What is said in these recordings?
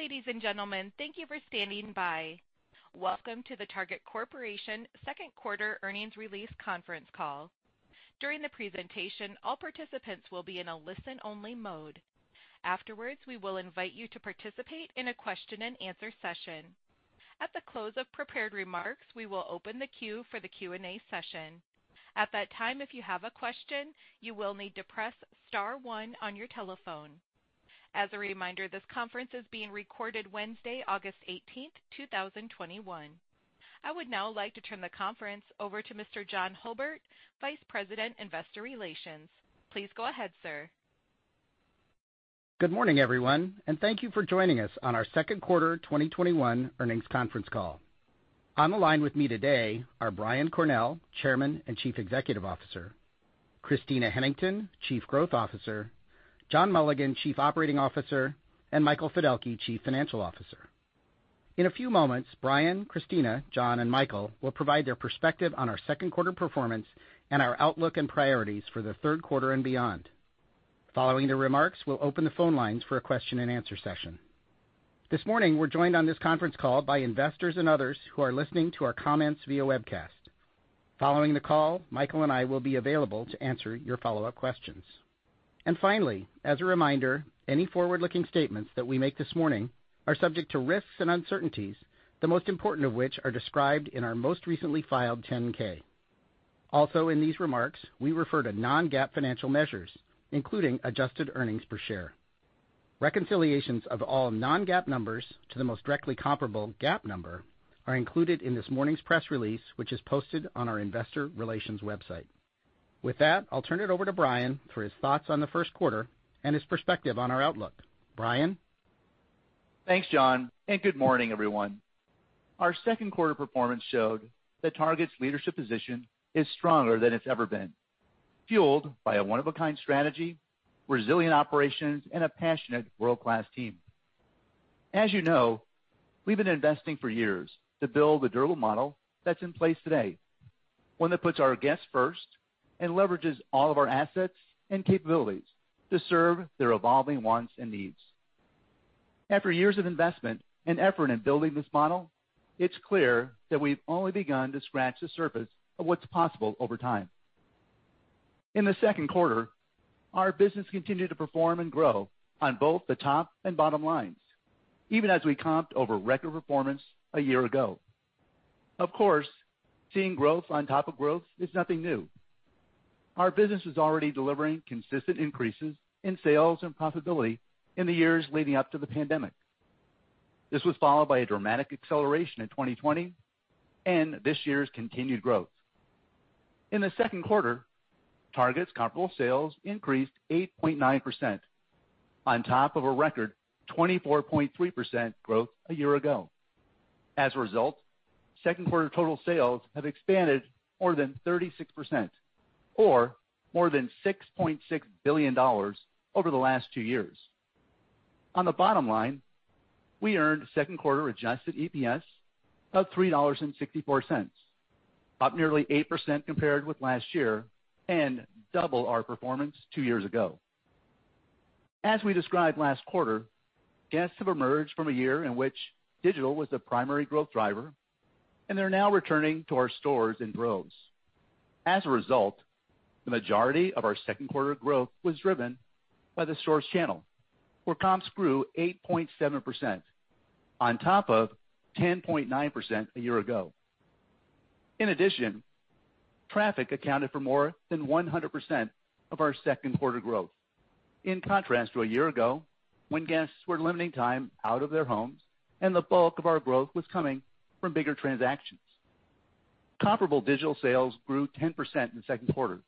Ladies and gentlemen, thank you for standing by. Welcome to the Target Corporation Second Quarter Earnings Release Conference Call. During the presentation, all participants will be in a listen-only mode. Afterwards, we will invite you to participate in a question-and-answer session. At the close of prepared remarks, we will open the queue for the Q&A session. At that time, if you have a question, you will need to press star one on your telephone. As a reminder, this conference is being recorded Wednesday, August 18th, 2021. I would now like to turn the conference over to Mr. John Hulbert, Vice President, Investor Relations. Please go ahead, sir. Good morning, everyone, and thank you for joining us on our Second Quarter 2021 Earnings Conference Call. On the line with me today are Brian Cornell, Chairman and Chief Executive Officer, Christina Hennington, Chief Growth Officer, John Mulligan, Chief Operating Officer, and Michael Fiddelke, Chief Financial Officer. In a few moments, Brian, Christina, John, and Michael will provide their perspective on our second quarter performance and our outlook and priorities for the third quarter and beyond. Following the remarks, we'll open the phone lines for a question-and-answer session. This morning, we're joined on this conference call by investors and others who are listening to our comments via webcast. Following the call, Michael and I will be available to answer your follow-up questions. Finally, as a reminder, any forward-looking statements that we make this morning are subject to risks and uncertainties, the most important of which are described in our most recently filed 10-K. Also, in these remarks, we refer to non-GAAP financial measures, including adjusted earnings per share. Reconciliations of all non-GAAP numbers to the most directly comparable GAAP number are included in this morning's press release, which is posted on our investor relations website. With that, I'll turn it over to Brian for his thoughts on the first quarter and his perspective on our outlook. Brian? Thanks, John. Good morning, everyone. Our second quarter performance showed that Target's leadership position is stronger than it's ever been, fueled by a one-of-a-kind strategy, resilient operations, and a passionate world-class team. As you know, we've been investing for years to build the durable model that's in place today. One that puts our guests first and leverages all of our assets and capabilities to serve their evolving wants and needs. After years of investment and effort in building this model, it's clear that we've only begun to scratch the surface of what's possible over time. In the second quarter, our business continued to perform and grow on both the top and bottom lines, even as we comped over record performance a year ago. Of course, seeing growth on top of growth is nothing new. Our business is already delivering consistent increases in sales and profitability in the years leading up to the pandemic. This was followed by a dramatic acceleration in 2020 and this year's continued growth. In the second quarter, Target's comparable sales increased 8.9% on top of a record 24.3% growth a year ago. As a result, second quarter total sales have expanded more than 36%, or more than $6.6 billion over the last two years. On the bottom line, we earned second quarter adjusted EPS of $3.64, up nearly 8% compared with last year, and double our performance two years ago. As we described last quarter, guests have emerged from a year in which digital was the primary growth driver, and they're now returning to our stores in droves. As a result, the majority of our second quarter growth was driven by the store's channel, where comps grew 8.7% on top of 10.9% a year ago. Traffic accounted for more than 100% of our second quarter growth, in contrast to a year ago when guests were limiting time out of their homes and the bulk of our growth was coming from bigger transactions. Comparable digital sales grew 10% in the second quarter,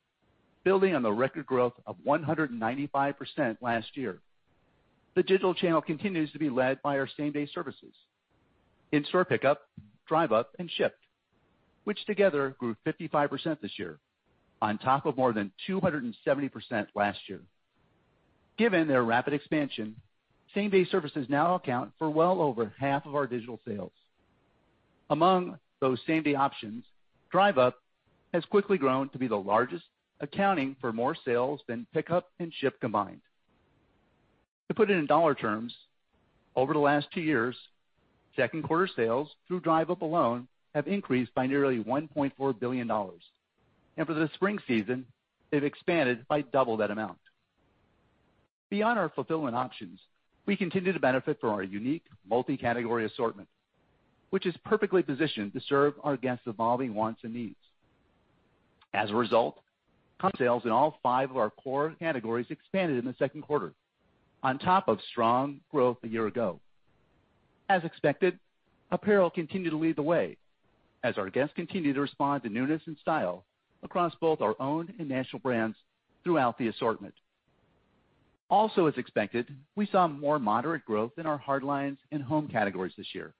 building on the record growth of 195% last year. The digital channel continues to be led by our same-day services: in-store Pickup, Drive Up, and Shipt, which together grew 55% this year on top of more than 270% last year. Given their rapid expansion, same-day services now account for well over half of our digital sales. Among those same-day options, Drive Up has quickly grown to be the largest, accounting for more sales than Pickup and Shipt combined. To put it in dollar terms, over the last two years, second quarter sales through Drive Up alone have increased by nearly $1.4 billion. For the spring season, they've expanded by double that amount. Beyond our fulfillment options, we continue to benefit from our unique multi-category assortment, which is perfectly positioned to serve our guests' evolving wants and needs. As a result, comp sales in all five of our core categories expanded in the second quarter on top of strong growth a year ago. As expected, Apparel continued to lead the way as our guests continue to respond to newness and style across both our own and national brands throughout the assortment. As expected, we saw more moderate growth in our Hard Line and Home categories this year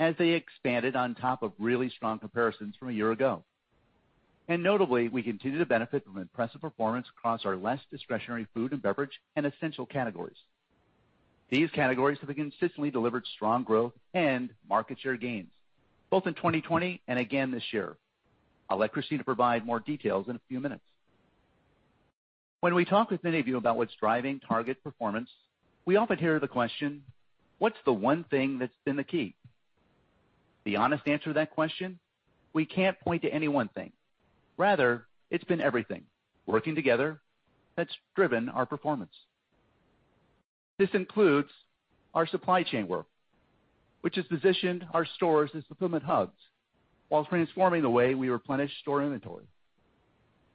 as they expanded on top of really strong comparisons from a year ago. Notably, we continue to benefit from impressive performance across our less discretionary Food and Beverage and Essential categories. These categories have consistently delivered strong growth and market share gains, both in 2020 and again this year. I'll let Christina provide more details in a few minutes. When we talk with many of you about what's driving Target performance, we often hear the question, what's the one thing that's been the key? The honest answer to that question, we can't point to any one thing. Rather, it's been everything working together that's driven our performance. This includes our supply chain work, which has positioned our stores as fulfillment hubs while transforming the way we replenish store inventory.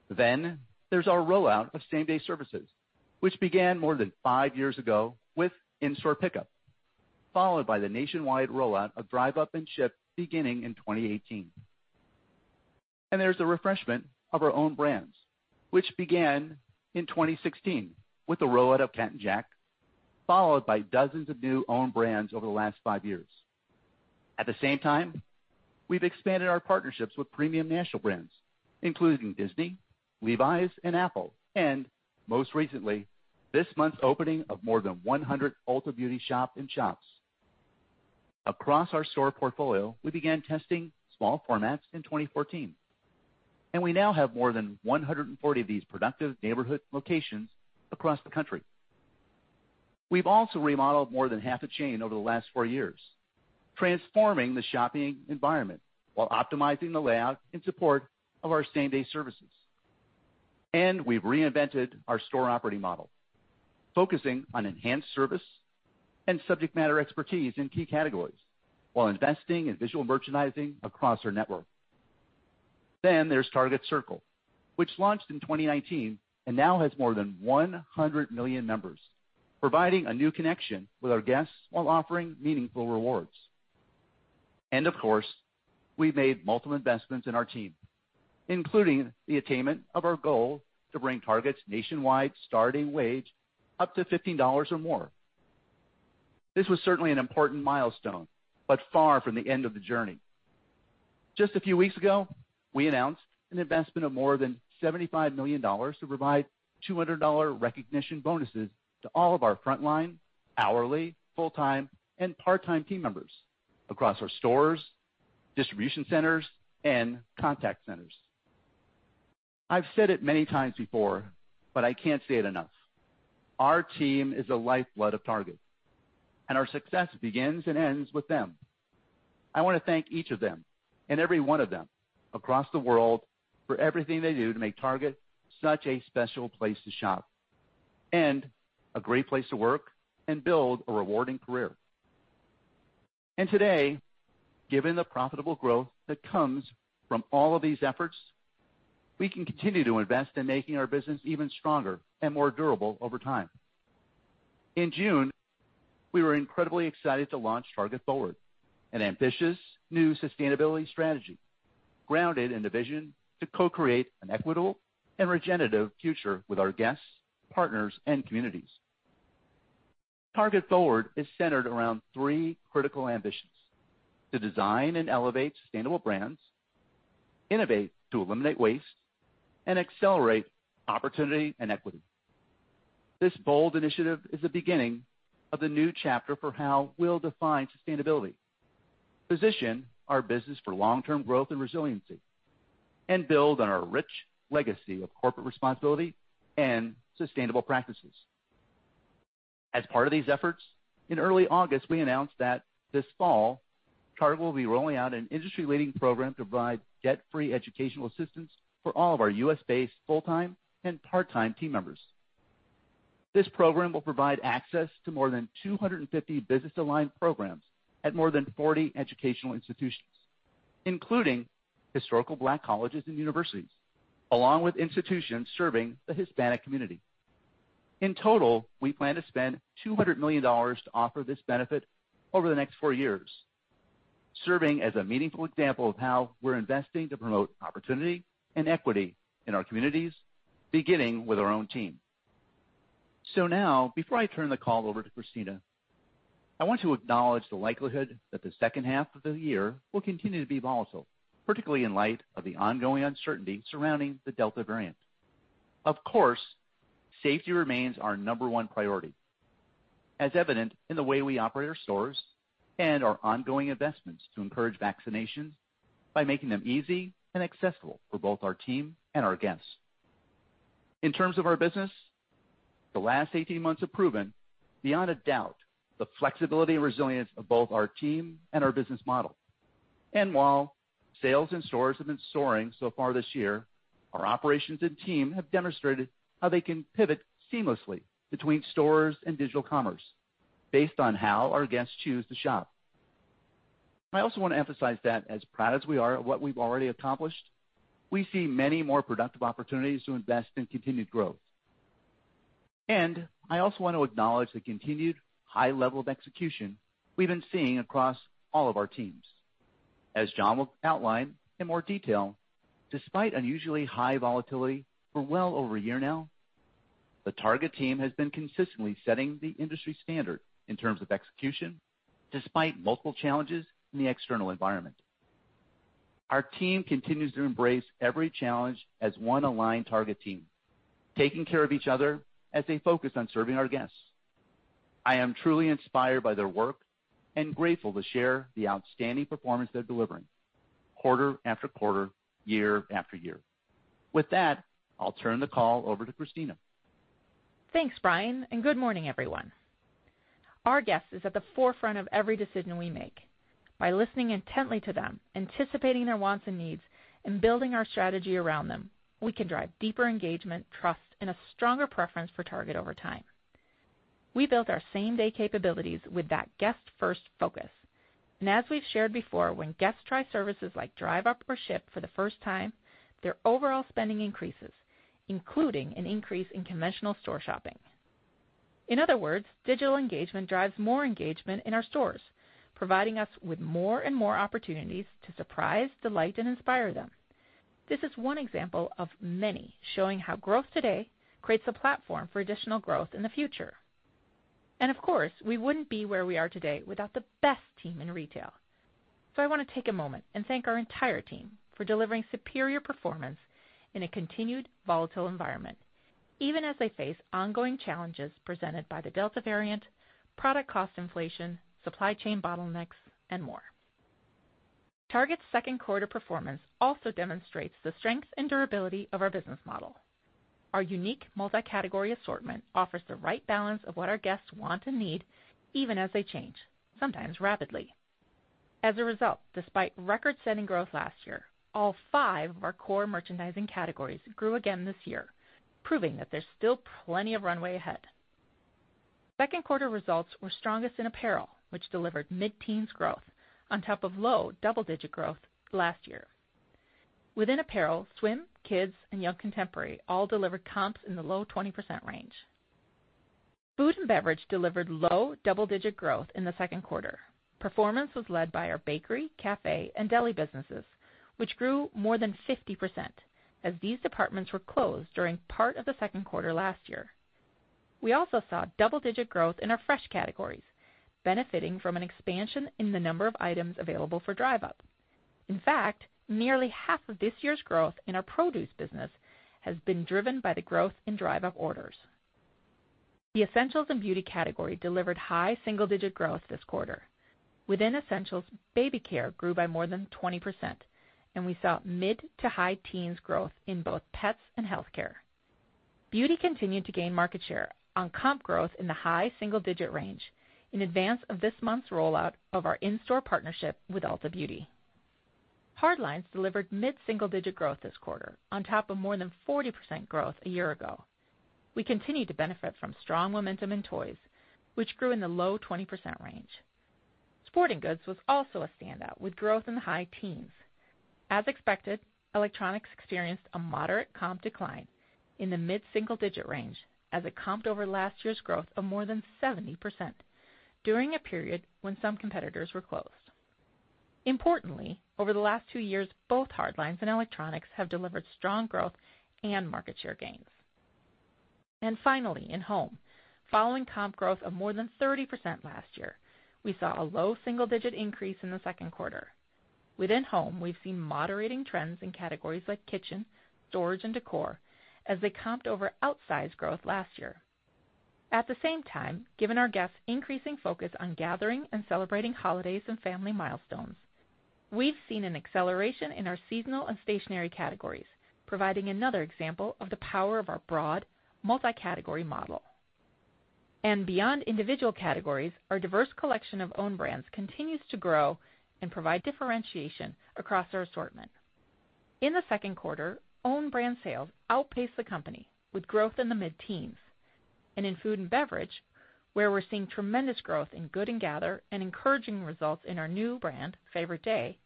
There's our rollout of same-day services, which began more than five years ago with in-store Pickup, followed by the nationwide rollout of Drive Up and Shipt beginning in 2018. There's the refreshment of our own brands, which began in 2016 with the rollout of Cat & Jack, followed by dozens of new own brands over the last five years. At the same time, we've expanded our partnerships with premium national brands, including Disney, Levi's, and Apple, and most recently, this month's opening of more than 100 Ulta Beauty shop-in-shops. Across our store portfolio, we began testing small formats in 2014, and we now have more than 140 of these productive neighborhood locations across the country. We've also remodeled more than half a chain over the last four years, transforming the shopping environment while optimizing the layout in support of our same-day services. We've reinvented our store operating model, focusing on enhanced service and subject matter expertise in key categories while investing in visual merchandising across our network. There's Target Circle, which launched in 2019 and now has more than 100 million members, providing a new connection with our guests while offering meaningful rewards. Of course, we've made multiple investments in our team, including the attainment of our goal to bring Target's nationwide starting wage up to $15 or more. This was certainly an important milestone, but far from the end of the journey. Just a few weeks ago, we announced an investment of more than $75 million to provide $200 recognition bonuses to all of our frontline, hourly, full-time, and part-time team members across our stores, distribution centers, and contact centers. I've said it many times before, but I can't say it enough. Our team is the lifeblood of Target, and our success begins and ends with them. I want to thank each of them and every one of them across the world for everything they do to make Target such a special place to shop and a great place to work and build a rewarding career. Today, given the profitable growth that comes from all of these efforts, we can continue to invest in making our business even stronger and more durable over time. In June, we were incredibly excited to launch Target Forward, an ambitious new sustainability strategy grounded in the vision to co-create an equitable and regenerative future with our guests, partners, and communities. Target Forward is centered around three critical ambitions, to design and elevate sustainable brands, innovate to eliminate waste, and accelerate opportunity and equity. This bold initiative is the beginning of the new chapter for how we'll define sustainability, position our business for long-term growth and resiliency, and build on our rich legacy of corporate responsibility and sustainable practices. As part of these efforts, in early August, we announced that this fall, Target will be rolling out an industry-leading program to provide debt-free educational assistance for all of our U.S.-based full-time and part-time team members. This program will provide access to more than 250 business-aligned programs at more than 40 educational institutions, including historical Black colleges and universities, along with institutions serving the Hispanic community. In total, we plan to spend $200 million to offer this benefit over the next four years, serving as a meaningful example of how we're investing to promote opportunity and equity in our communities, beginning with our own team. Now, before I turn the call over to Christina, I want to acknowledge the likelihood that the second half of the year will continue to be volatile, particularly in light of the ongoing uncertainty surrounding the Delta variant. Of course, safety remains our number one priority, as evident in the way we operate our stores and our ongoing investments to encourage vaccinations by making them easy and accessible for both our team and our guests. In terms of our business, the last 18 months have proven, beyond a doubt, the flexibility and resilience of both our team and our business model. While sales in stores have been soaring so far this year, our operations and team have demonstrated how they can pivot seamlessly between stores and digital commerce based on how our guests choose to shop. I also want to emphasize that as proud as we are of what we've already accomplished, we see many more productive opportunities to invest in continued growth. I also want to acknowledge the continued high level of execution we've been seeing across all of our teams. As John will outline in more detail, despite unusually high volatility for well over a year now, the Target team has been consistently setting the industry standard in terms of execution, despite multiple challenges in the external environment. Our team continues to embrace every challenge as one aligned Target team, taking care of each other as they focus on serving our guests. I am truly inspired by their work and grateful to share the outstanding performance they're delivering quarter-after-quarter, year-after-year. With that, I'll turn the call over to Christina. Thanks, Brian, and good morning, everyone. Our guest is at the forefront of every decision we make. By listening intently to them, anticipating their wants and needs, and building our strategy around them, we can drive deeper engagement, trust, and a stronger preference for Target over time. We built our same-day capabilities with that guest-first focus, and as we've shared before, when guests try services like Drive Up or Shipt for the first time, their overall spending increases, including an increase in conventional store shopping. In other words, digital engagement drives more engagement in our stores, providing us with more and more opportunities to surprise, delight, and inspire them. This is one example of many showing how growth today creates a platform for additional growth in the future. Of course, we wouldn't be where we are today without the best team in retail. I want to take a moment and thank our entire team for delivering superior performance in a continued volatile environment, even as they face ongoing challenges presented by the Delta variant, product cost inflation, supply chain bottlenecks, and more. Target's second quarter performance also demonstrates the strength and durability of our business model. Our unique multi-category assortment offers the right balance of what our guests want and need, even as they change, sometimes rapidly. As a result, despite record-setting growth last year, all five of our core merchandising categories grew again this year, proving that there's still plenty of runway ahead. Second quarter results were strongest in apparel, which delivered mid-teens growth on top of low double-digit growth last year. Within apparel, swim, kids, and young contemporary all delivered comps in the low 20% range. Food and beverage delivered low double-digit growth in the second quarter. Performance was led by our bakery, cafe, and deli businesses, which grew more than 50%, as these departments were closed during part of the second quarter last year. We also saw double-digit growth in our fresh categories, benefiting from an expansion in the number of items available for Drive Up. In fact, nearly half of this year's growth in our produce business has been driven by the growth in Drive Up orders. The essentials and beauty category delivered high single-digit growth this quarter. Within essentials, baby care grew by more than 20%, and we saw mid to high teens growth in both pets and healthcare. Beauty continued to gain market share on comp growth in the high single-digit range in advance of this month's rollout of our in-store partnership with Ulta Beauty. Hard lines delivered mid-single digit growth this quarter on top of more than 40% growth a year ago. We continue to benefit from strong momentum in toys, which grew in the low 20% range. Sporting goods was also a standout with growth in the high teens. As expected, electronics experienced a moderate comp decline in the mid-single-digit range as it comped over last year's growth of more than 70% during a period when some competitors were closed. Importantly, over the last two years, both hard lines and electronics have delivered strong growth and market share gains. Finally, in home, following comp growth of more than 30% last year, we saw a low single-digit increase in the second quarter. Within home, we've seen moderating trends in categories like kitchen, storage, and decor as they comped over outsized growth last year. At the same time, given our guests' increasing focus on gathering and celebrating holidays and family milestones, we've seen an acceleration in our seasonal and stationery categories, providing another example of the power of our broad multi-category model. Beyond individual categories, our diverse collection of own brands continues to grow and provide differentiation across our assortment. In the second quarter, own brand sales outpaced the company with growth in the mid-teens. In food and beverage, where we're seeing tremendous growth in Good & Gather and encouraging results in our new brand, Favorite Day,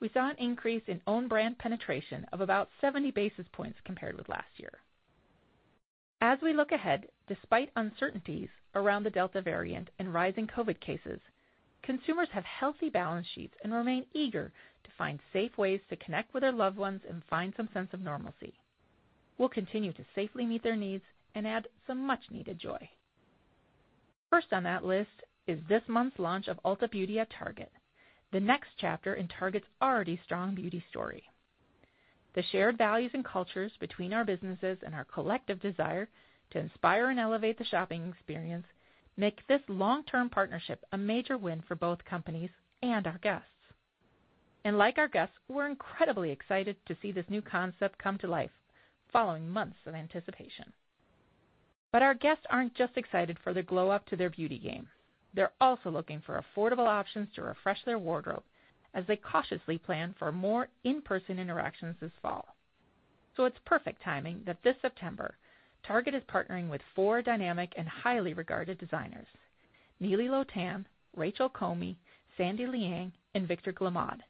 we saw an increase in own brand penetration of about 70 basis points compared with last year. As we look ahead, despite uncertainties around the Delta variant and rising COVID cases, consumers have healthy balance sheets and remain eager to find safe ways to connect with their loved ones and find some sense of normalcy. We'll continue to safely meet their needs and add some much-needed joy. First on that list is this month's launch of Ulta Beauty at Target, the next chapter in Target's already strong beauty story. The shared values and cultures between our businesses and our collective desire to inspire and elevate the shopping experience make this long-term partnership a major win for both companies and our guests. Like our guests, we're incredibly excited to see this new concept come to life following months of anticipation. Our guests aren't just excited for the glow-up to their beauty game. They're also looking for affordable options to refresh their wardrobe as they cautiously plan for more in-person interactions this fall. It's perfect timing that this September, Target is partnering with four dynamic and highly regarded designers, Nili Lotan, Rachel Comey, Sandy Liang, and Victor Glemaud,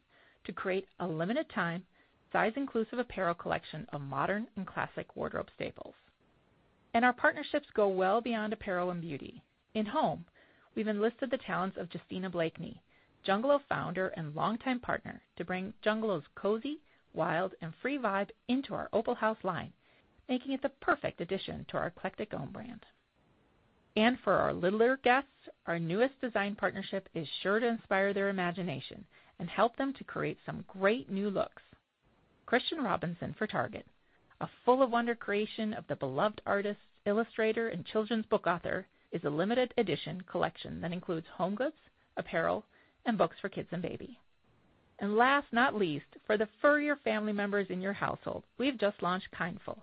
to create a limited-time, size-inclusive apparel collection of modern and classic wardrobe staples. Our partnerships go well beyond apparel and beauty. In home, we've enlisted the talents of Justina Blakeney, Jungalow founder and longtime partner, to bring Jungalow's cozy, wild, and free vibe into our Opalhouse line, making it the perfect addition to our eclectic own brand. For our littler guests, our newest design partnership is sure to inspire their imagination and help them to create some great new looks. Christian Robinson for Target, a full of wonder creation of the beloved artist, illustrator, and children's book author, is a limited-edition collection that includes home goods, apparel, and books for kids and baby. Last, not least, for the furrier family members in your household, we've just launched Kindful,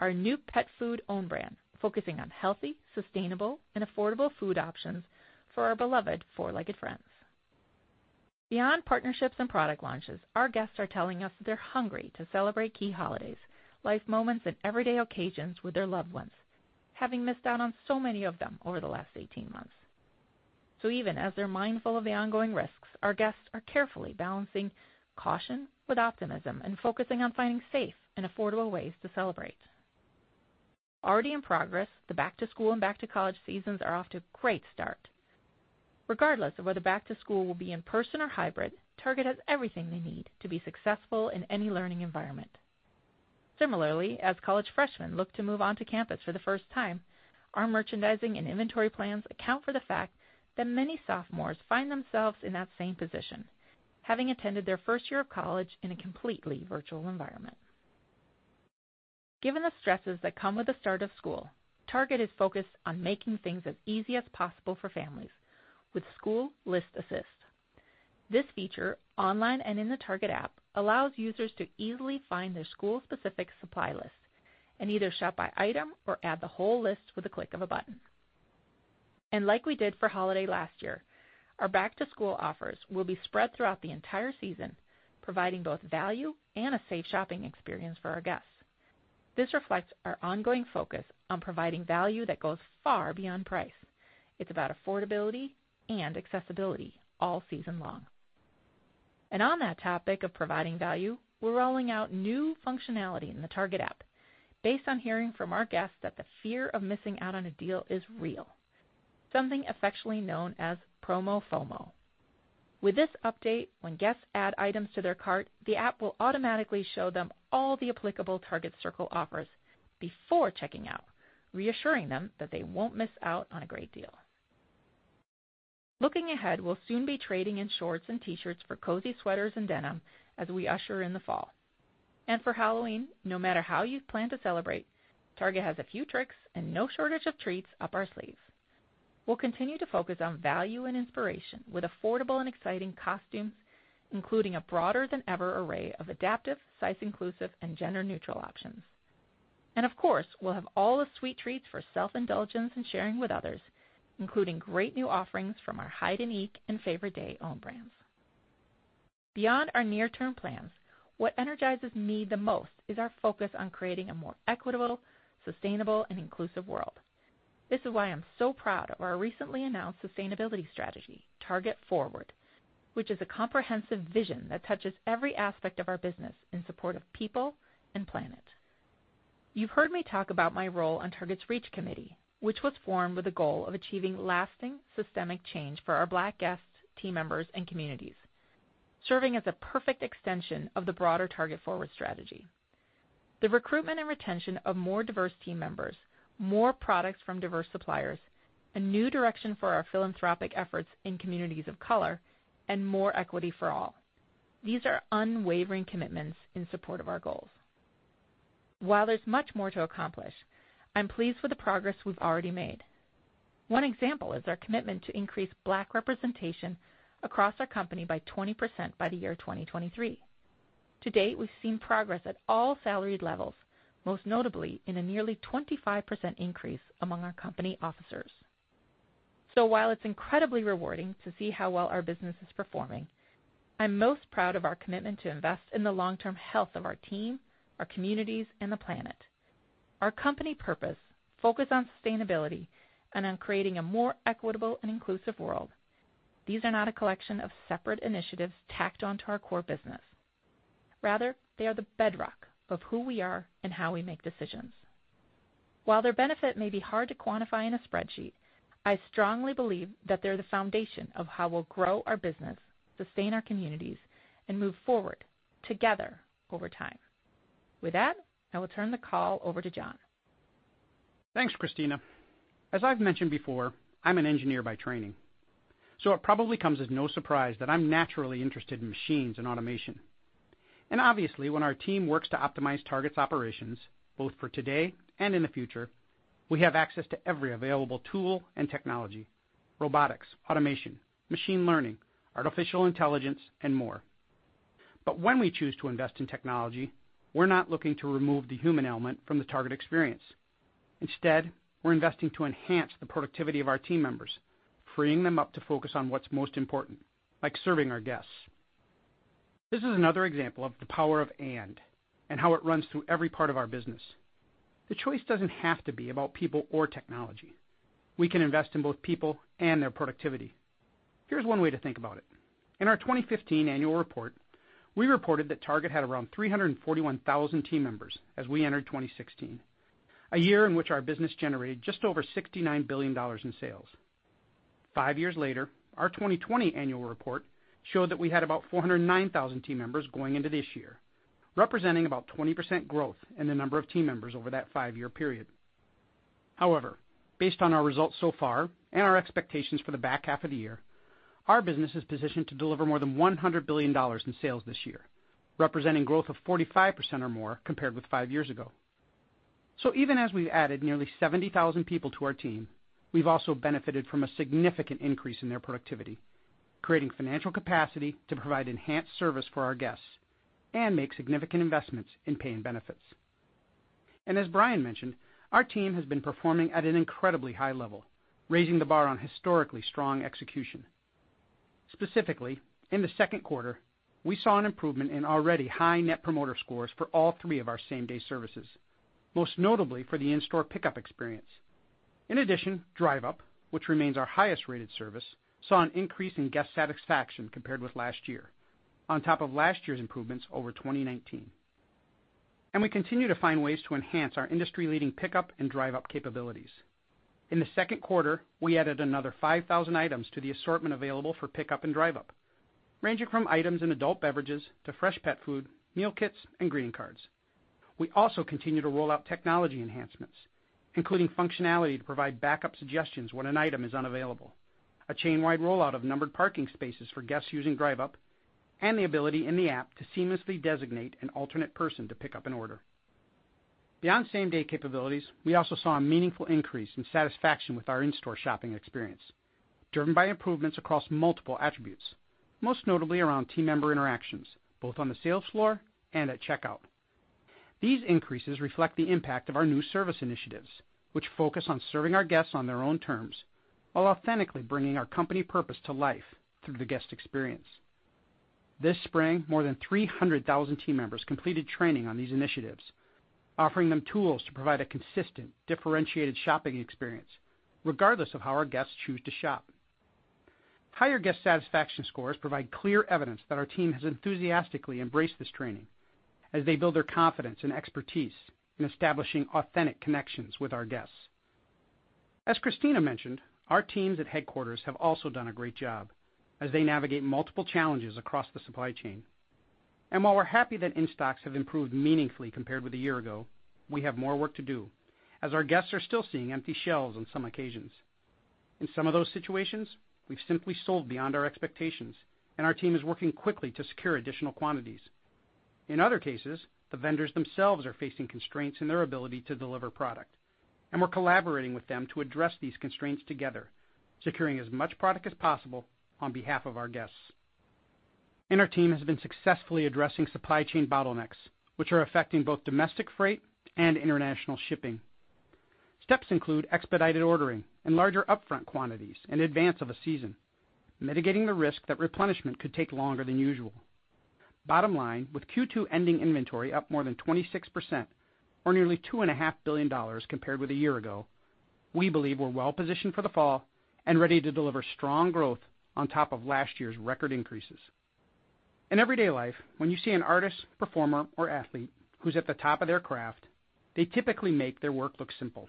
our new pet food own brand, focusing on healthy, sustainable, and affordable food options for our beloved four-legged friends. Beyond partnerships and product launches, our guests are telling us they're hungry to celebrate key holidays, life moments, and everyday occasions with their loved ones, having missed out on so many of them over the last 18 months. Even as they're mindful of the ongoing risks, our guests are carefully balancing caution with optimism and focusing on finding safe and affordable ways to celebrate. Already in progress, the back-to-school and back-to-college seasons are off to a great start. Regardless of whether back to school will be in person or hybrid, Target has everything they need to be successful in any learning environment. Similarly, as college freshmen look to move on to campus for the first time, our merchandising and inventory plans account for the fact that many sophomores find themselves in that same position, having attended their first year of college in a completely virtual environment. Given the stresses that come with the start of school, Target is focused on making things as easy as possible for families with School List Assist. This feature, online and in the Target app, allows users to easily find their school's specific supply list and either shop by item or add the whole list with a click of a button. Like we did for holiday last year, our back-to-school offers will be spread throughout the entire season, providing both value and a safe shopping experience for our guests. This reflects our ongoing focus on providing value that goes far beyond price. It's about affordability and accessibility all season long. On that topic of providing value, we're rolling out new functionality in the Target app based on hearing from our guests that the fear of missing out on a deal is real, something affectionately known as promo FOMO. With this update, when guests add items to their cart, the app will automatically show them all the applicable Target Circle offers before checking out, reassuring them that they won't miss out on a great deal. Looking ahead, we'll soon be trading in shorts and T-shirts for cozy sweaters and denim as we usher in the fall. For Halloween, no matter how you plan to celebrate, Target has a few tricks and no shortage of treats up our sleeve. We'll continue to focus on value and inspiration with affordable and exciting costumes, including a broader-than-ever array of adaptive, size inclusive, and gender-neutral options. Of course, we'll have all the sweet treats for self-indulgence and sharing with others, including great new offerings from our Hyde & EEK! and Favorite Day own brands. Beyond our near-term plans, what energizes me the most is our focus on creating a more equitable, sustainable, and inclusive world. This is why I'm so proud of our recently announced sustainability strategy, Target Forward, which is a comprehensive vision that touches every aspect of our business in support of people and planet. You've heard me talk about my role on Target's REACH Committee, which was formed with the goal of achieving lasting, systemic change for our Black guests, team members, and communities, serving as a perfect extension of the broader Target Forward strategy. The recruitment and retention of more diverse team members, more products from diverse suppliers, a new direction for our philanthropic efforts in communities of color, and more equity for all. These are unwavering commitments in support of our goals. While there's much more to accomplish, I'm pleased with the progress we've already made. One example is our commitment to increase Black representation across our company by 20% by the year 2023. To date, we've seen progress at all salaried levels, most notably in a nearly 25% increase among our company officers. While it's incredibly rewarding to see how well our business is performing, I'm most proud of our commitment to invest in the long-term health of our team, our communities, and the planet. Our company purpose, focus on sustainability, and on creating a more equitable and inclusive world. These are not a collection of separate initiatives tacked onto our core business. Rather, they are the bedrock of who we are and how we make decisions. While their benefit may be hard to quantify in a spreadsheet, I strongly believe that they're the foundation of how we'll grow our business, sustain our communities, and move forward together over time. With that, I will turn the call over to John. Thanks, Christina. As I've mentioned before, I'm an engineer by training, so it probably comes as no surprise that I'm naturally interested in machines and automation. Obviously, when our team works to optimize Target's operations, both for today and in the future, we have access to every available tool and technology: robotics, automation, machine learning, artificial intelligence, and more. When we choose to invest in technology, we're not looking to remove the human element from the Target experience. Instead, we're investing to enhance the productivity of our team members, freeing them up to focus on what's most important, like serving our guests. This is another example of the power of and how it runs through every part of our business. The choice doesn't have to be about people or technology. We can invest in both people and their productivity. Here's one way to think about it. In our 2015 annual report, we reported that Target had around 341,000 team members as we entered 2016, a year in which our business generated just over $69 billion in sales. Five years later, our 2020 annual report showed that we had about 409,000 team members going into this year, representing about 20% growth in the number of team members over that five-year period. However, based on our results so far and our expectations for the back half of the year, our business is positioned to deliver more than $100 billion in sales this year, representing growth of 45% or more compared with five years ago. Even as we've added nearly 70,000 people to our team, we've also benefited from a significant increase in their productivity, creating financial capacity to provide enhanced service for our guests and make significant investments in pay and benefits. As Brian mentioned, our team has been performing at an incredibly high level, raising the bar on historically strong execution. Specifically, in the second quarter, we saw an improvement in already high net promoter scores for all three of our same-day services, most notably for the in-store Pickup experience. In addition, Drive Up, which remains our highest-rated service, saw an increase in guest satisfaction compared with last year, on top of last year's improvements over 2019. We continue to find ways to enhance our industry-leading Pickup and Drive Up capabilities. In the second quarter, we added another 5,000 items to the assortment available for Pickup and Drive Up, ranging from items in adult beverages to fresh pet food, meal kits, and greeting cards. We also continue to roll out technology enhancements, including functionality to provide backup suggestions when an item is unavailable, a chain-wide rollout of numbered parking spaces for guests using Drive Up, and the ability in the app to seamlessly designate an alternate person to Pickup an order. Beyond same-day capabilities, we also saw a meaningful increase in satisfaction with our in-store shopping experience, driven by improvements across multiple attributes, most notably around team member interactions, both on the sales floor and at checkout. These increases reflect the impact of our new service initiatives, which focus on serving our guests on their own terms while authentically bringing our company purpose to life through the guest experience. This spring, more than 300,000 team members completed training on these initiatives, offering them tools to provide a consistent, differentiated shopping experience regardless of how our guests choose to shop. Higher guest satisfaction scores provide clear evidence that our team has enthusiastically embraced this training as they build their confidence and expertise in establishing authentic connections with our guests. As Christina mentioned, our teams at headquarters have also done a great job as they navigate multiple challenges across the supply chain. While we're happy that in-stocks have improved meaningfully compared with a year ago, we have more work to do, as our guests are still seeing empty shelves on some occasions. In some of those situations, we've simply sold beyond our expectations, and our team is working quickly to secure additional quantities. In other cases, the vendors themselves are facing constraints in their ability to deliver product, and we're collaborating with them to address these constraints together, securing as much product as possible on behalf of our guests. Our team has been successfully addressing supply chain bottlenecks, which are affecting both domestic freight and international shipping. Steps include expedited ordering and larger upfront quantities in advance of a season, mitigating the risk that replenishment could take longer than usual. Bottom line, with Q2 ending inventory up more than 26%, or nearly $2.5 billion compared with a year ago, we believe we're well-positioned for the fall and ready to deliver strong growth on top of last year's record increases. In everyday life, when you see an artist, performer, or athlete who's at the top of their craft, they typically make their work look simple.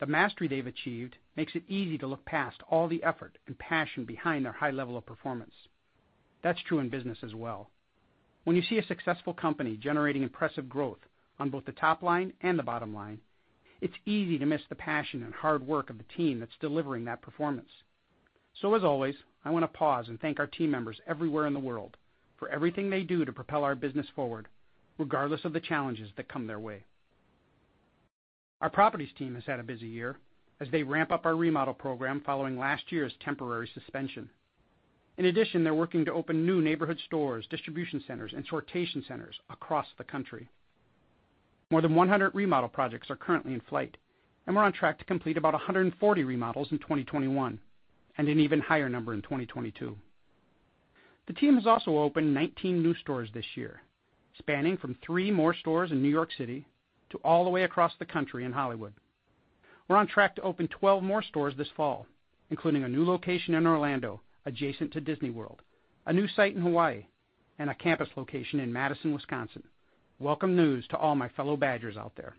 The mastery they've achieved makes it easy to look past all the effort and passion behind their high level of performance. That's true in business as well. When you see a successful company generating impressive growth on both the top line and the bottom line, it's easy to miss the passion and hard work of the team that's delivering that performance. As always, I want to pause and thank our team members everywhere in the world for everything they do to propel our business forward, regardless of the challenges that come their way. Our properties team has had a busy year as they ramp up our remodel program following last year's temporary suspension. In addition, they're working to open new neighborhood stores, distribution centers, and sortation centers across the country. More than 100 remodel projects are currently in flight, and we're on track to complete about 140 remodels in 2021, and an even higher number in 2022. The team has also opened 19 new stores this year, spanning from three more stores in New York City to all the way across the country in Hollywood. We're on track to open 12 more stores this fall, including a new location in Orlando adjacent to Disney World, a new site in Hawaii, and a campus location in Madison, Wisconsin. Welcome news to all my fellow Badgers out there.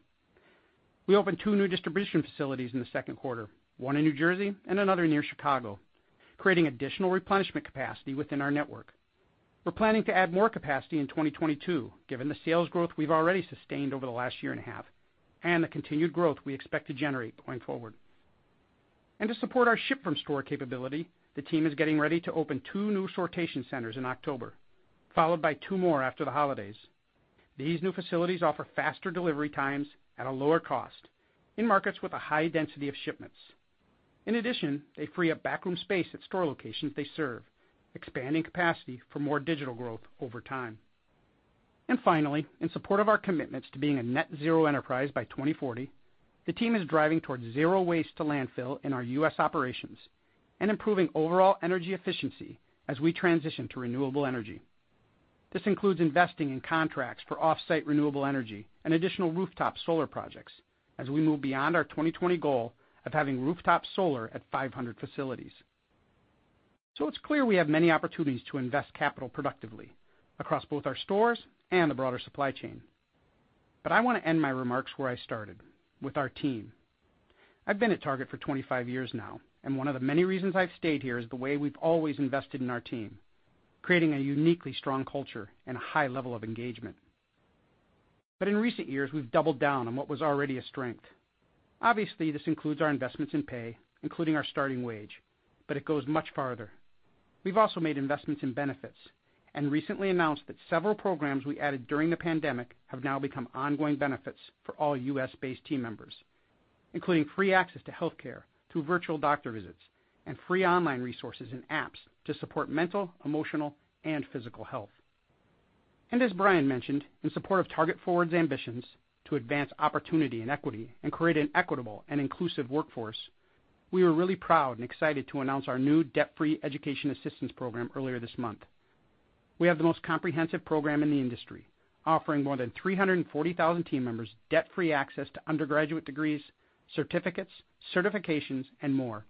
We opened two new distribution facilities in the second quarter, one in New Jersey and another near Chicago, creating additional replenishment capacity within our network. We're planning to add more capacity in 2022 given the sales growth we've already sustained over the last year and a half and the continued growth we expect to generate going forward. To support our ship-from-store capability, the team is getting ready to open two new sortation centers in October, followed by two more after the holidays. These new facilities offer faster delivery times at a lower cost in markets with a high density of shipments. In addition, they free up backroom space at store locations they serve, expanding capacity for more digital growth over time. Finally, in support of our commitments to being a net zero enterprise by 2040, the team is driving towards zero waste to landfill in our U.S. operations and improving overall energy efficiency as we transition to renewable energy. This includes investing in contracts for off-site renewable energy and additional rooftop solar projects as we move beyond our 2020 goal of having rooftop solar at 500 facilities. It's clear we have many opportunities to invest capital productively across both our stores and the broader supply chain. I want to end my remarks where I started, with our team. I've been at Target for 25 years now, and one of the many reasons I've stayed here is the way we've always invested in our team, creating a uniquely strong culture and a high level of engagement. In recent years, we've doubled down on what was already a strength. Obviously, this includes our investments in pay, including our starting wage, but it goes much farther. We've also made investments in benefits and recently announced that several programs we added during the pandemic have now become ongoing benefits for all U.S.-based team members, including free access to healthcare through virtual doctor visits and free online resources and apps to support mental, emotional, and physical health. As Brian mentioned, in support of Target Forward's ambitions to advance opportunity and equity and create an equitable and inclusive workforce, we were really proud and excited to announce our new debt-free education assistance program earlier this month. We have the most comprehensive program in the industry, offering more than 340,000 team members debt-free access to undergraduate degrees, certificates, certifications, and more,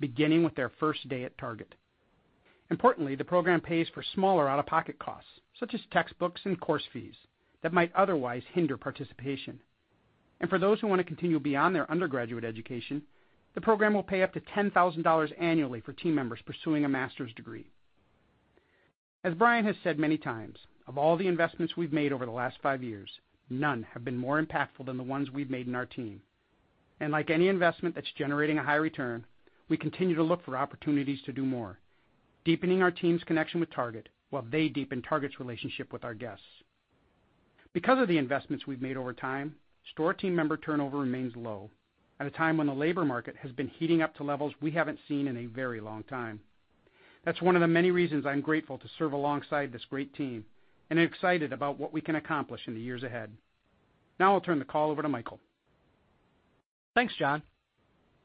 beginning with their first day at Target. Importantly, the program pays for smaller out-of-pocket costs, such as textbooks and course fees that might otherwise hinder participation. For those who want to continue beyond their undergraduate education, the program will pay up to $10,000 annually for team members pursuing a master's degree. As Brian has said many times, of all the investments we've made over the last five years, none have been more impactful than the ones we've made in our team. Like any investment that's generating a high return, we continue to look for opportunities to do more, deepening our team's connection with Target while they deepen Target's relationship with our guests. Because of the investments we've made over time, store team member turnover remains low at a time when the labor market has been heating up to levels we haven't seen in a very long time. That's one of the many reasons I'm grateful to serve alongside this great team and am excited about what we can accomplish in the years ahead. Now I'll turn the call over to Michael. Thanks, John.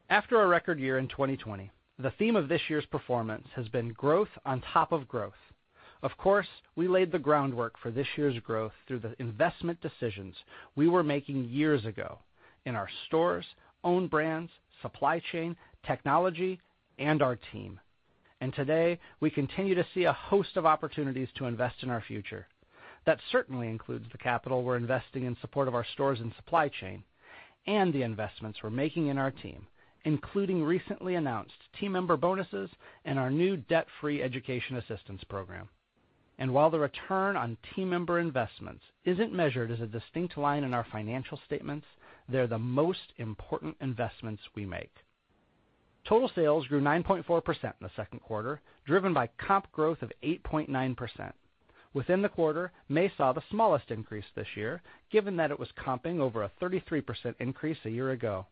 After a record year in 2020, the theme of this year's performance has been growth on top of growth. Of course, we laid the groundwork for this year's growth through the investment decisions we were making years ago in our stores, own brands, supply chain, technology, and our team. Today, we continue to see a host of opportunities to invest in our future. That certainly includes the capital we're investing in support of our stores and supply chain and the investments we're making in our team, including recently announced team member bonuses and our new debt-free education assistance program. While the return on team member investments isn't measured as a distinct line in our financial statements, they're the most important investments we make. Total sales grew 9.4% in the second quarter, driven by comp growth of 8.9%. Within the quarter, May saw the smallest increase this year, given that it was comping over a 33% increase a year ago.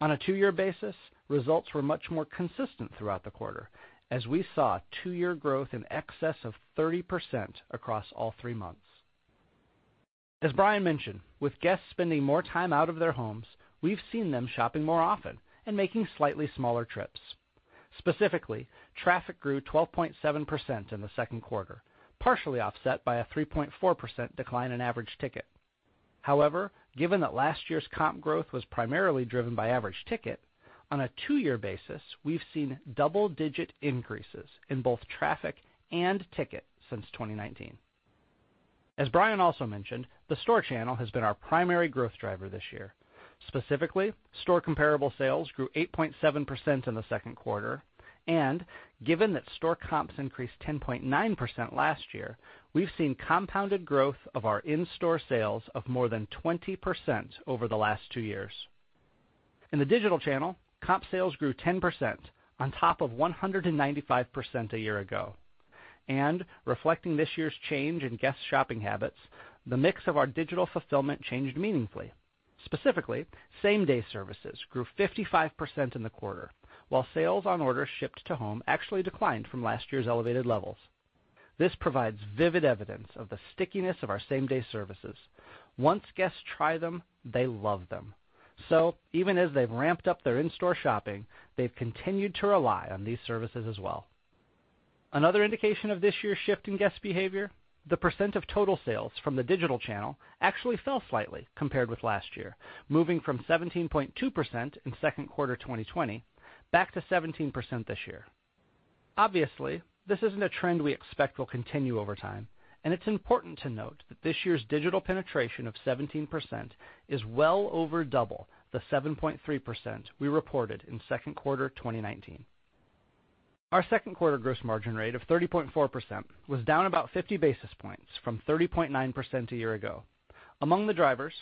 On a two-year basis, results were much more consistent throughout the quarter as we saw two-year growth in excess of 30% across all three months. As Brian mentioned, with guests spending more time out of their homes, we've seen them shopping more often and making slightly smaller trips. Specifically, traffic grew 12.7% in the second quarter, partially offset by a 3.4% decline in average ticket. However, given that last year's comp growth was primarily driven by average ticket, on a two-year basis, we've seen double-digit increases in both traffic and ticket since 2019. As Brian also mentioned, the store channel has been our primary growth driver this year. Specifically, store comparable sales grew 8.7% in the second quarter. Given that store comps increased 10.9% last year, we've seen compounded growth of our in-store sales of more than 20% over the last two years. In the digital channel, comp sales grew 10% on top of 195% a year ago. Reflecting this year's change in guest shopping habits, the mix of our digital fulfillment changed meaningfully. Specifically, same-day services grew 55% in the quarter, while sales on orders shipped to home actually declined from last year's elevated levels. This provides vivid evidence of the stickiness of our same-day services. Once guests try them, they love them. Even as they've ramped up their in-store shopping, they've continued to rely on these services as well. Another indication of this year's shift in guest behavior, the percent of total sales from the digital channel actually fell slightly compared with last year, moving from 17.2% in second quarter 2020 back to 17% this year. Obviously, this isn't a trend we expect will continue over time, and it's important to note that this year's digital penetration of 17% is well over double the 7.3% we reported in second quarter 2019. Our second quarter gross margin rate of 30.4% was down about 50 basis points from 30.9% a year ago. Among the drivers,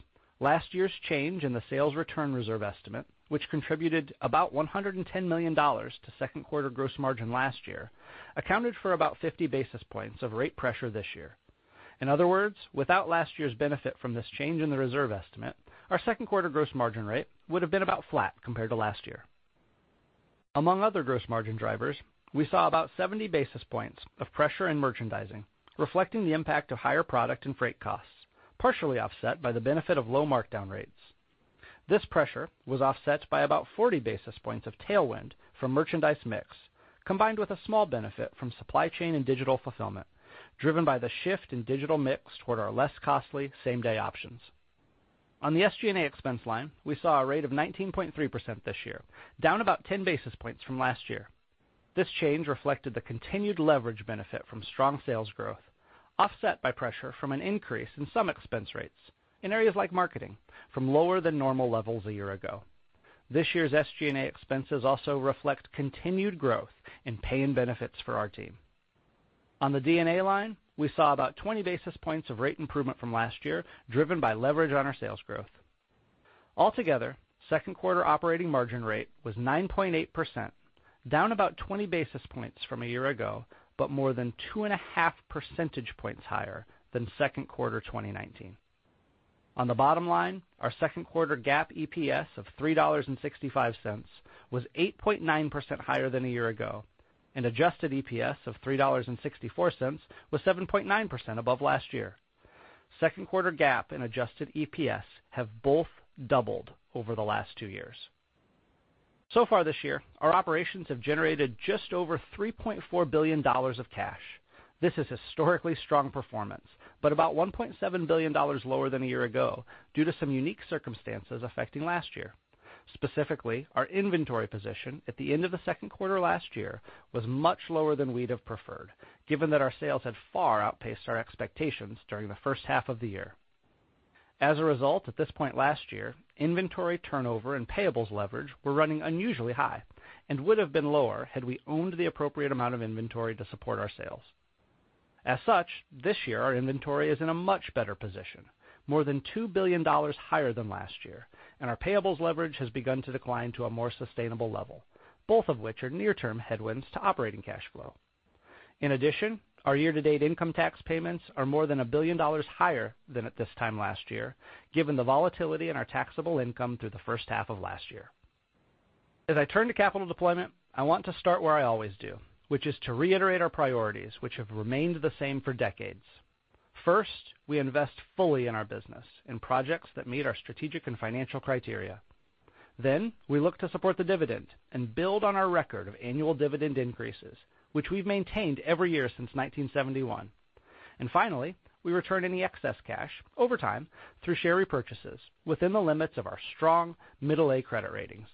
last year's change in the sales return reserve estimate, which contributed about $110 million to second quarter gross margin last year, accounted for about 50 basis points of rate pressure this year. In other words, without last year's benefit from this change in the reserve estimate, our second quarter gross margin rate would've been about flat compared to last year. Among other gross margin drivers, we saw about 70 basis points of pressure in merchandising, reflecting the impact of higher product and freight costs, partially offset by the benefit of low markdown rates. This pressure was offset by about 40 basis points of tailwind from merchandise mix, combined with a small benefit from supply chain and digital fulfillment, driven by the shift in digital mix toward our less costly same-day options. On the SG&A expense line, we saw a rate of 19.3% this year, down about 10 basis points from last year. This change reflected the continued leverage benefit from strong sales growth, offset by pressure from an increase in some expense rates in areas like marketing from lower than normal levels a year ago. This year's SG&A expenses also reflect continued growth in pay and benefits for our team. On the D&A line, we saw about 20 basis points of rate improvement from last year, driven by leverage on our sales growth. Altogether, second quarter operating margin rate was 9.8%, down about 20 basis points from a year ago, but more than 2.5 percentage points higher than second quarter 2019. On the bottom line, our second quarter GAAP EPS of $3.65 was 8.9% higher than a year ago, and adjusted EPS of $3.64 was 7.9% above last year. Second quarter GAAP and adjusted EPS have both doubled over the last two years. Far this year, our operations have generated just over $3.4 billion of cash. This is historically strong performance, but about $1.7 billion lower than a year ago due to some unique circumstances affecting last year. Specifically, our inventory position at the end of the second quarter last year was much lower than we'd have preferred, given that our sales had far outpaced our expectations during the first half of the year. As a result, at this point last year, inventory turnover and payables leverage were running unusually high and would have been lower had we owned the appropriate amount of inventory to support our sales. As such, this year, our inventory is in a much better position, more than $2 billion higher than last year, and our payables leverage has begun to decline to a more sustainable level, both of which are near-term headwinds to operating cash flow. In addition, our year-to-date income tax payments are more than $1 billion higher than at this time last year, given the volatility in our taxable income through the first half of last year. As I turn to capital deployment, I want to start where I always do, which is to reiterate our priorities, which have remained the same for decades. First, we invest fully in our business, in projects that meet our strategic and financial criteria. We look to support the dividend and build on our record of annual dividend increases, which we've maintained every year since 1971. Finally, we return any excess cash over time through share repurchases within the limits of our strong middle A credit ratings.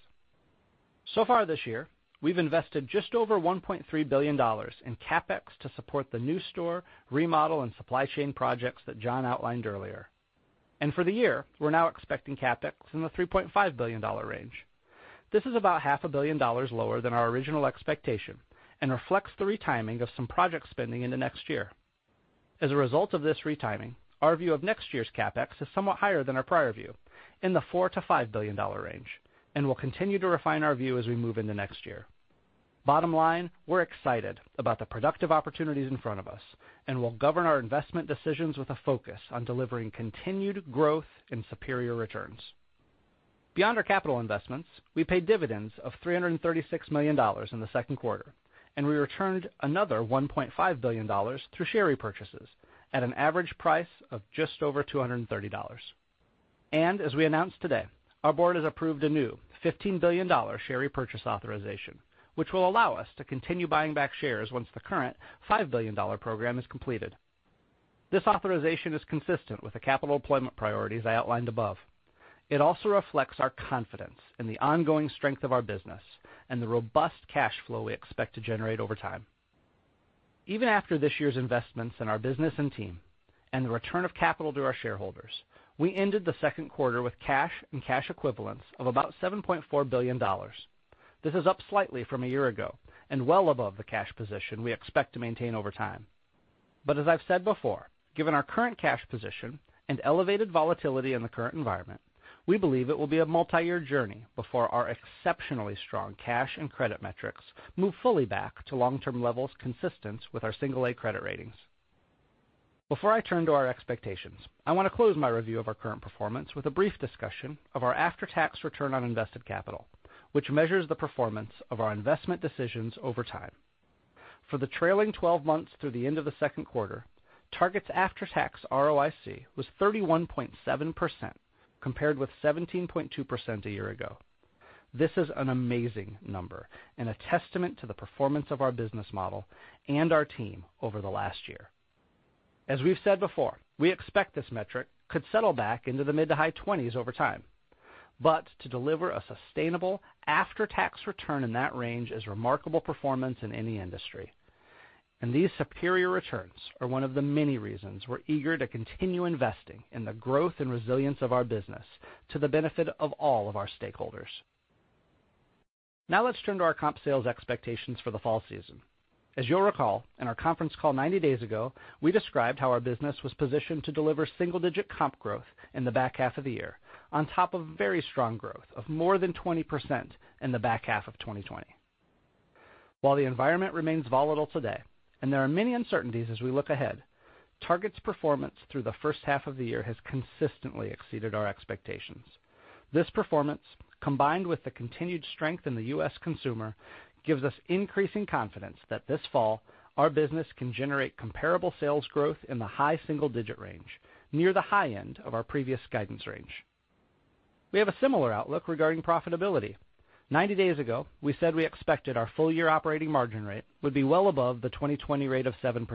So far this year, we've invested just over $1.3 billion in CapEx to support the new store, remodel, and supply chain projects that John outlined earlier. For the year, we're now expecting CapEx in the $3.5 billion range. This is about $500 million lower than our original expectation and reflects the retiming of some project spending into next year. As a result of this retiming, our view of next year's CapEx is somewhat higher than our prior view, in the $4 billion-$5 billion range, and we'll continue to refine our view as we move into next year. Bottom line, we're excited about the productive opportunities in front of us and will govern our investment decisions with a focus on delivering continued growth and superior returns. Beyond our capital investments, we paid dividends of $336 million in the second quarter, and we returned another $1.5 billion through share repurchases at an average price of just over $230. As we announced today, our board has approved a new $15 billion share repurchase authorization, which will allow us to continue buying back shares once the current $5 billion program is completed. This authorization is consistent with the capital deployment priorities I outlined above. It also reflects our confidence in the ongoing strength of our business and the robust cash flow we expect to generate over time. Even after this year's investments in our business and team and the return of capital to our shareholders, we ended the second quarter with cash and cash equivalents of about $7.4 billion. This is up slightly from a year ago and well above the cash position we expect to maintain over time. As I've said before, given our current cash position and elevated volatility in the current environment, we believe it will be a multi-year journey before our exceptionally strong cash and credit metrics move fully back to long-term levels consistent with our single A credit ratings. Before I turn to our expectations, I want to close my review of our current performance with a brief discussion of our after-tax return on invested capital, which measures the performance of our investment decisions over time. For the trailing 12 months through the end of the second quarter, Target's after-tax ROIC was 31.7%, compared with 17.2% a year ago. This is an amazing number and a testament to the performance of our business model and our team over the last year. As we've said before, we expect this metric could settle back into the mid to high 20s over time. To deliver a sustainable after-tax return in that range is remarkable performance in any industry. These superior returns are one of the many reasons we're eager to continue investing in the growth and resilience of our business to the benefit of all of our stakeholders. Let's turn to our comp sales expectations for the fall season. As you'll recall, in our conference call 90 days ago, we described how our business was positioned to deliver single-digit comp growth in the back half of the year, on top of very strong growth of more than 20% in the back half of 2020. The environment remains volatile today, and there are many uncertainties as we look ahead, Target's performance through the first half of the year has consistently exceeded our expectations. This performance, combined with the continued strength in the U.S. consumer, gives us increasing confidence that this fall, our business can generate comparable sales growth in the high single-digit range, near the high end of our previous guidance range. We have a similar outlook regarding profitability. 90 days ago, we said we expected our full-year operating margin rate would be well above the 2020 rate of 7%,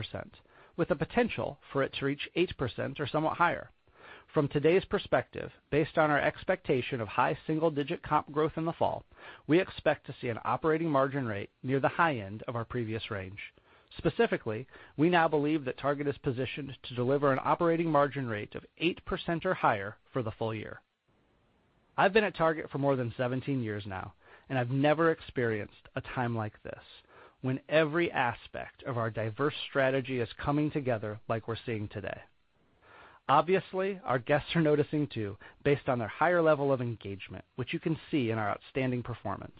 with the potential for it to reach 8% or somewhat higher. From today's perspective, based on our expectation of high single-digit comp growth in the fall, we expect to see an operating margin rate near the high end of our previous range. Specifically, we now believe that Target is positioned to deliver an operating margin rate of 8% or higher for the full year. I've been at Target for more than 17 years now, and I've never experienced a time like this, when every aspect of our diverse strategy is coming together like we're seeing today. Obviously, our guests are noticing too, based on their higher level of engagement, which you can see in our outstanding performance.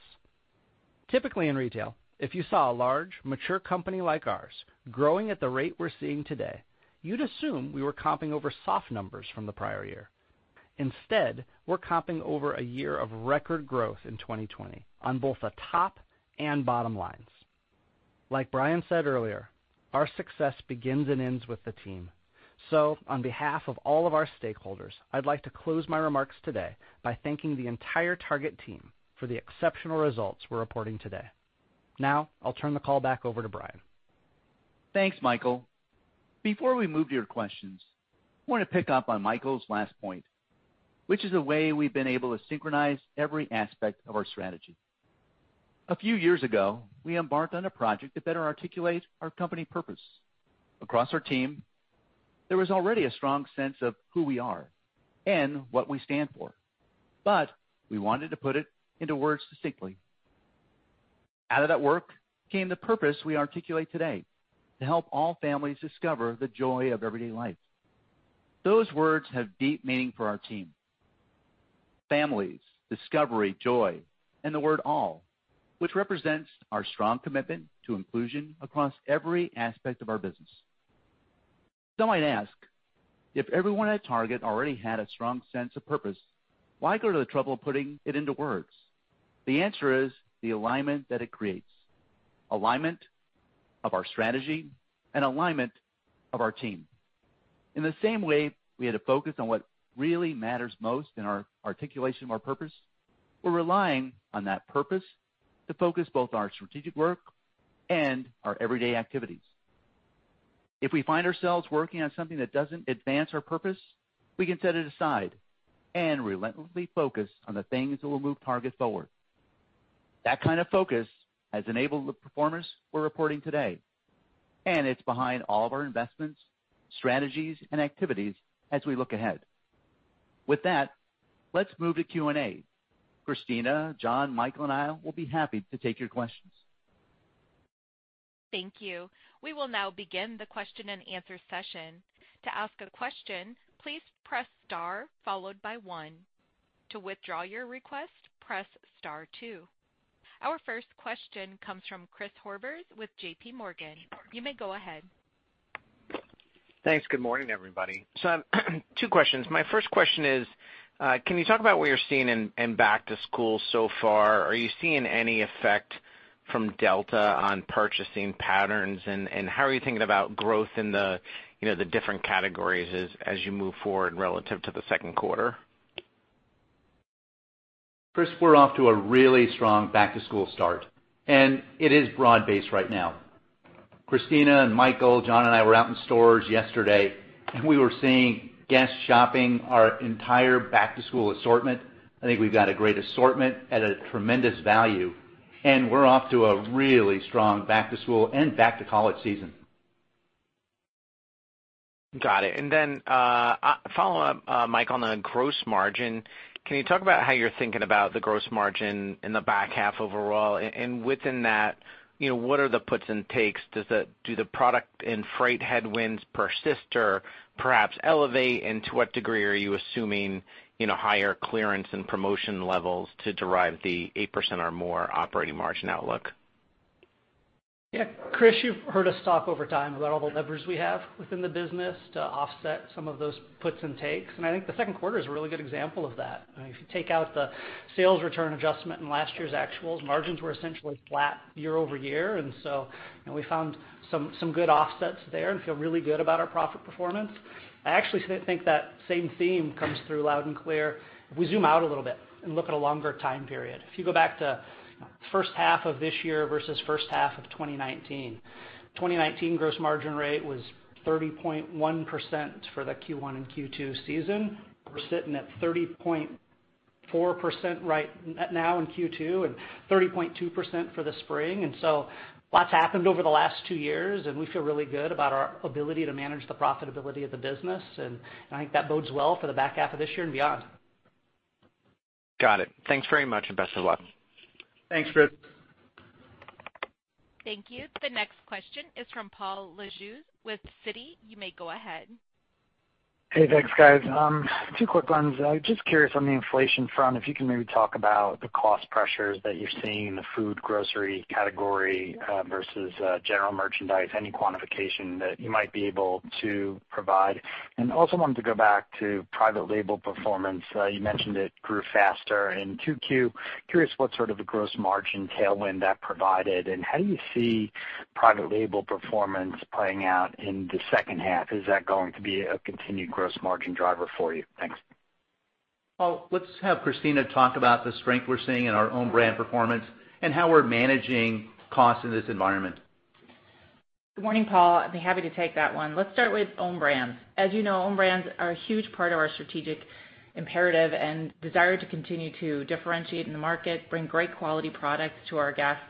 Typically in retail, if you saw a large, mature company like ours growing at the rate we're seeing today, you'd assume we were comping over soft numbers from the prior year. Instead, we're comping over a year of record growth in 2020 on both the top and bottom lines. Like Brian said earlier, our success begins and ends with the team. On behalf of all of our stakeholders, I'd like to close my remarks today by thanking the entire Target team for the exceptional results we're reporting today. Now, I'll turn the call back over to Brian. Thanks, Michael. Before we move to your questions, I want to pick up on Michael's last point, which is the way we've been able to synchronize every aspect of our strategy. A few years ago, we embarked on a project to better articulate our company purpose. Across our team, there was already a strong sense of who we are and what we stand for, but we wanted to put it into words succinctly. Out of that work came the purpose we articulate today: to help all families discover the joy of everyday life. Those words have deep meaning for our team. Families, discovery, joy, and the word all, which represents our strong commitment to inclusion across every aspect of our business. Some might ask, if everyone at Target already had a strong sense of purpose, why go to the trouble of putting it into words? The answer is the alignment that it creates, alignment of our strategy and alignment of our team. In the same way we had to focus on what really matters most in our articulation of our purpose, we're relying on that purpose to focus both our strategic work and our everyday activities. If we find ourselves working on something that doesn't advance our purpose, we can set it aside and relentlessly focus on the things that will move Target Forward. That kind of focus has enabled the performance we're reporting today, and it's behind all of our investments, strategies, and activities as we look ahead. With that, let's move to Q&A. Christina, John, Michael, and I will be happy to take your questions. Thank you. We will now begin the question and answer session. To ask a question, please press star followed by one. To withdraw your request, press star two. Our first question comes from Chris Horvers with JPMorgan. You may go ahead. Thanks. Good morning, everybody. Two questions. My first question is, can you talk about what you're seeing in back to school so far? Are you seeing any effect from Delta on purchasing patterns? How are you thinking about growth in the different categories as you move forward relative to the second quarter? Chris, we're off to a really strong back to school start, and it is broad-based right now. Christina and Michael, John, and I were out in stores yesterday, and we were seeing guests shopping our entire back to school assortment. I think we've got a great assortment at a tremendous value, and we're off to a really strong back to school and back to college season. Got it. Then a follow-up, Mike, on the gross margin. Can you talk about how you're thinking about the gross margin in the back half overall? Within that, what are the puts and takes? Do the product and freight headwinds persist or perhaps elevate? To what degree are you assuming higher clearance and promotion levels to derive the 8% or more operating margin outlook? Chris, you've heard us talk over time about all the levers we have within the business to offset some of those puts and takes, and I think the second quarter is a really good example of that. If you take out the sales return adjustment in last year's actuals, margins were essentially flat year-over-year, and so we found some good offsets there and feel really good about our profit performance. I actually think that same theme comes through loud and clear if we zoom out a little bit and look at a longer time period. If you go back to first half of this year versus first half of 2019. 2019 gross margin rate was 30.1% for the Q1 and Q2 season. We're sitting at 30.4% right now in Q2 and 30.2% for the spring. A lot's happened over the last two years, and we feel really good about our ability to manage the profitability of the business and I think that bodes well for the back half of this year and beyond. Got it. Thanks very much and best of luck. Thanks, Chris. Thank you. The next question is from Paul Lejuez with Citi. You may go ahead. Hey, thanks, guys. Two quick ones. Just curious on the inflation front, if you can maybe talk about the cost pressures that you're seeing in the food grocery category versus general merchandise, any quantification that you might be able to provide. Also wanted to go back to private label performance. You mentioned it grew faster in 2Q. Curious what sort of a gross margin tailwind that provided, and how do you see private label performance playing out in the second half? Is that going to be a continued gross margin driver for you? Thanks. Well, let's have Christina talk about the strength we're seeing in our own brand performance and how we're managing costs in this environment. Good morning, Paul. I'd be happy to take that one. Let's start with own brands. As you know, own brands are a huge part of our strategic imperative and desire to continue to differentiate in the market, bring great quality products to our guests.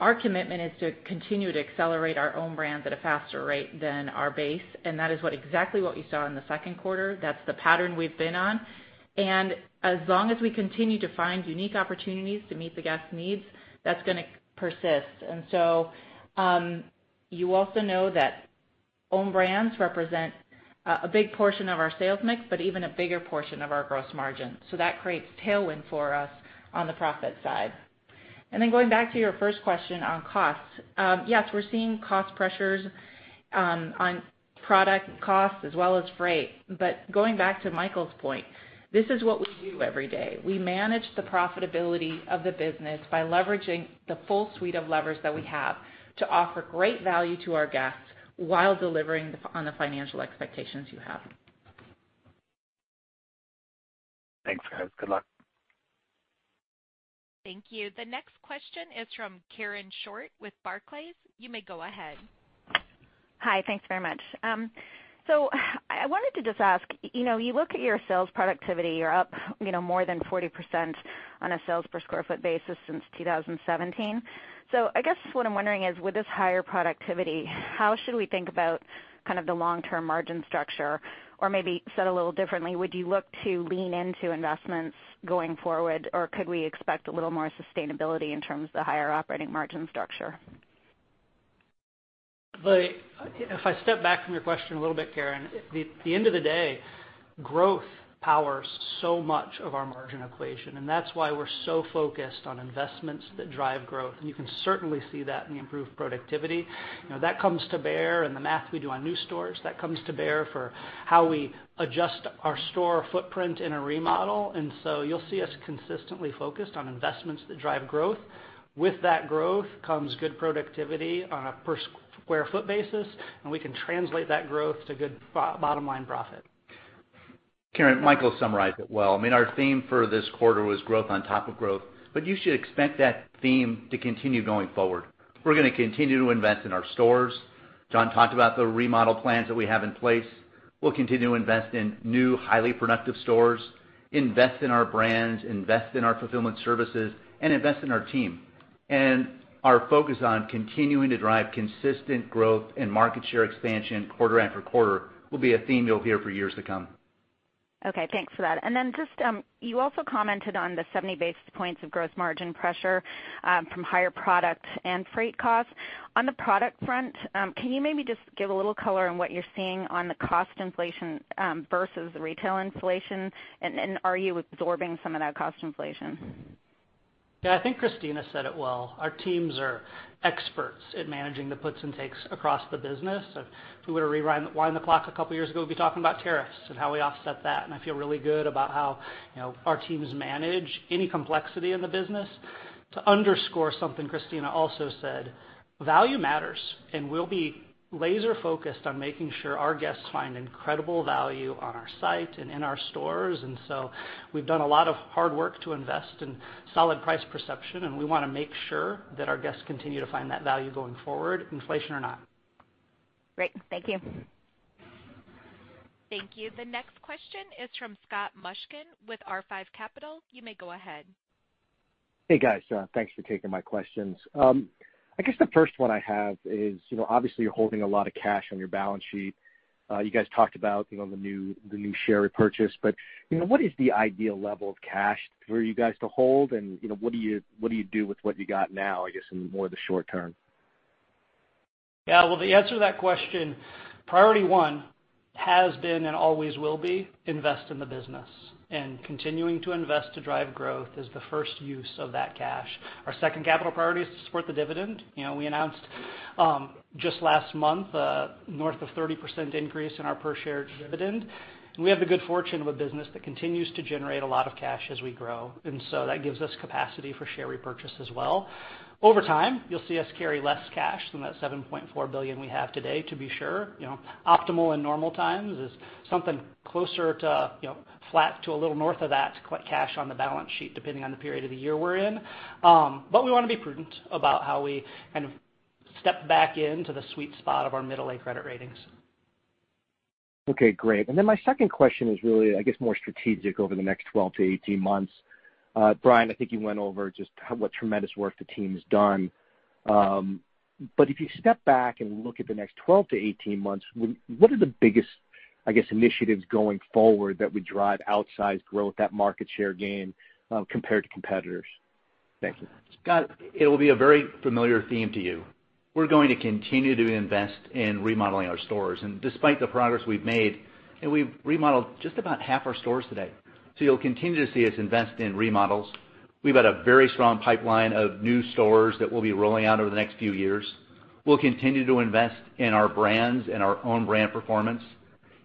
Our commitment is to continue to accelerate our own brands at a faster rate than our base, and that is what exactly what we saw in the second quarter. That's the pattern we've been on. As long as we continue to find unique opportunities to meet the guests' needs, that's going to persist. You also know that own brands represent a big portion of our sales mix, but even a bigger portion of our gross margin. That creates tailwind for us on the profit side. Going back to your first question on costs. Yes, we're seeing cost pressures on product costs as well as freight. Going back to Michael's point, this is what we do every day. We manage the profitability of the business by leveraging the full suite of levers that we have to offer great value to our guests while delivering on the financial expectations you have. Thanks, guys. Good luck. Thank you. The next question is from Karen Short with Barclays. You may go ahead. Hi. Thanks very much. I wanted to just ask, you look at your sales productivity, you're up more than 40% on a sales per square foot basis since 2017. I guess what I'm wondering is, with this higher productivity, how should we think about kind of the long-term margin structure? Or maybe said a little differently, would you look to lean into investments going forward, or could we expect a little more sustainability in terms of the higher operating margin structure? If I step back from your question a little bit, Karen, at the end of the day, growth powers so much of our margin equation, and that's why we're so focused on investments that drive growth. You can certainly see that in the improved productivity. That comes to bear in the math we do on new stores. That comes to bear for how we adjust our store footprint in a remodel. You'll see us consistently focused on investments that drive growth. With that growth comes good productivity on a per square foot basis, and we can translate that growth to good bottom line profit. Karen, Michael summarized it well. I mean, our theme for this quarter was growth on top of growth. You should expect that theme to continue going forward. We're going to continue to invest in our stores. John talked about the remodel plans that we have in place. We'll continue to invest in new, highly productive stores, invest in our brands, invest in our fulfillment services and invest in our team. Our focus on continuing to drive consistent growth and market share expansion quarter-after-quarter will be a theme you'll hear for years to come. Okay, thanks for that. Just, you also commented on the 70 basis points of gross margin pressure from higher product and freight costs. On the product front, can you maybe just give a little color on what you're seeing on the cost inflation versus the retail inflation? Are you absorbing some of that cost inflation? Yeah, I think Christina said it well. Our teams are experts at managing the puts and takes across the business. If we were to rewind the clock a couple of years ago, we'd be talking about tariffs and how we offset that. I feel really good about how our teams manage any complexity in the business. To underscore something Christina also said, value matters, and we'll be laser focused on making sure our guests find incredible value on our site and in our stores. We've done a lot of hard work to invest in solid price perception, and we want to make sure that our guests continue to find that value going forward, inflation or not. Great. Thank you. Thank you. The next question is from Scott Mushkin with R5 Capital. You may go ahead. Hey, guys. Thanks for taking my questions. I guess the first one I have is, obviously, you're holding a lot of cash on your balance sheet. You guys talked about the new share repurchase. What is the ideal level of cash for you guys to hold? What do you do with what you got now, I guess, in more the short term? Yeah. Well, the answer to that question, priority one has been and always will be invest in the business, and continuing to invest to drive growth is the first use of that cash. Our second capital priority is to support the dividend. We announced just last month north of 30% increase in our per share dividend. We have the good fortune of a business that continues to generate a lot of cash as we grow. That gives us capacity for share repurchase as well. Over time, you'll see us carry less cash than that $7.4 billion we have today to be sure. Optimal in normal times is something closer to flat to a little north of that cash on the balance sheet, depending on the period of the year we're in. We want to be prudent about how we kind of step back into the sweet spot of our middle A credit ratings. Okay, great. My second question is really, I guess, more strategic over the next 12-18 months. Brian, I think you went over just what tremendous work the team's done. If you step back and look at the next 12-18 months, what are the biggest, I guess, initiatives going forward that would drive outsized growth, that market share gain, compared to competitors? Thank you. Scott, it'll be a very familiar theme to you. We're going to continue to invest in remodeling our stores. Despite the progress we've made, and we've remodeled just about half our stores today. You'll continue to see us invest in remodels. We've got a very strong pipeline of new stores that we'll be rolling out over the next few years. We'll continue to invest in our brands and our own brand performance.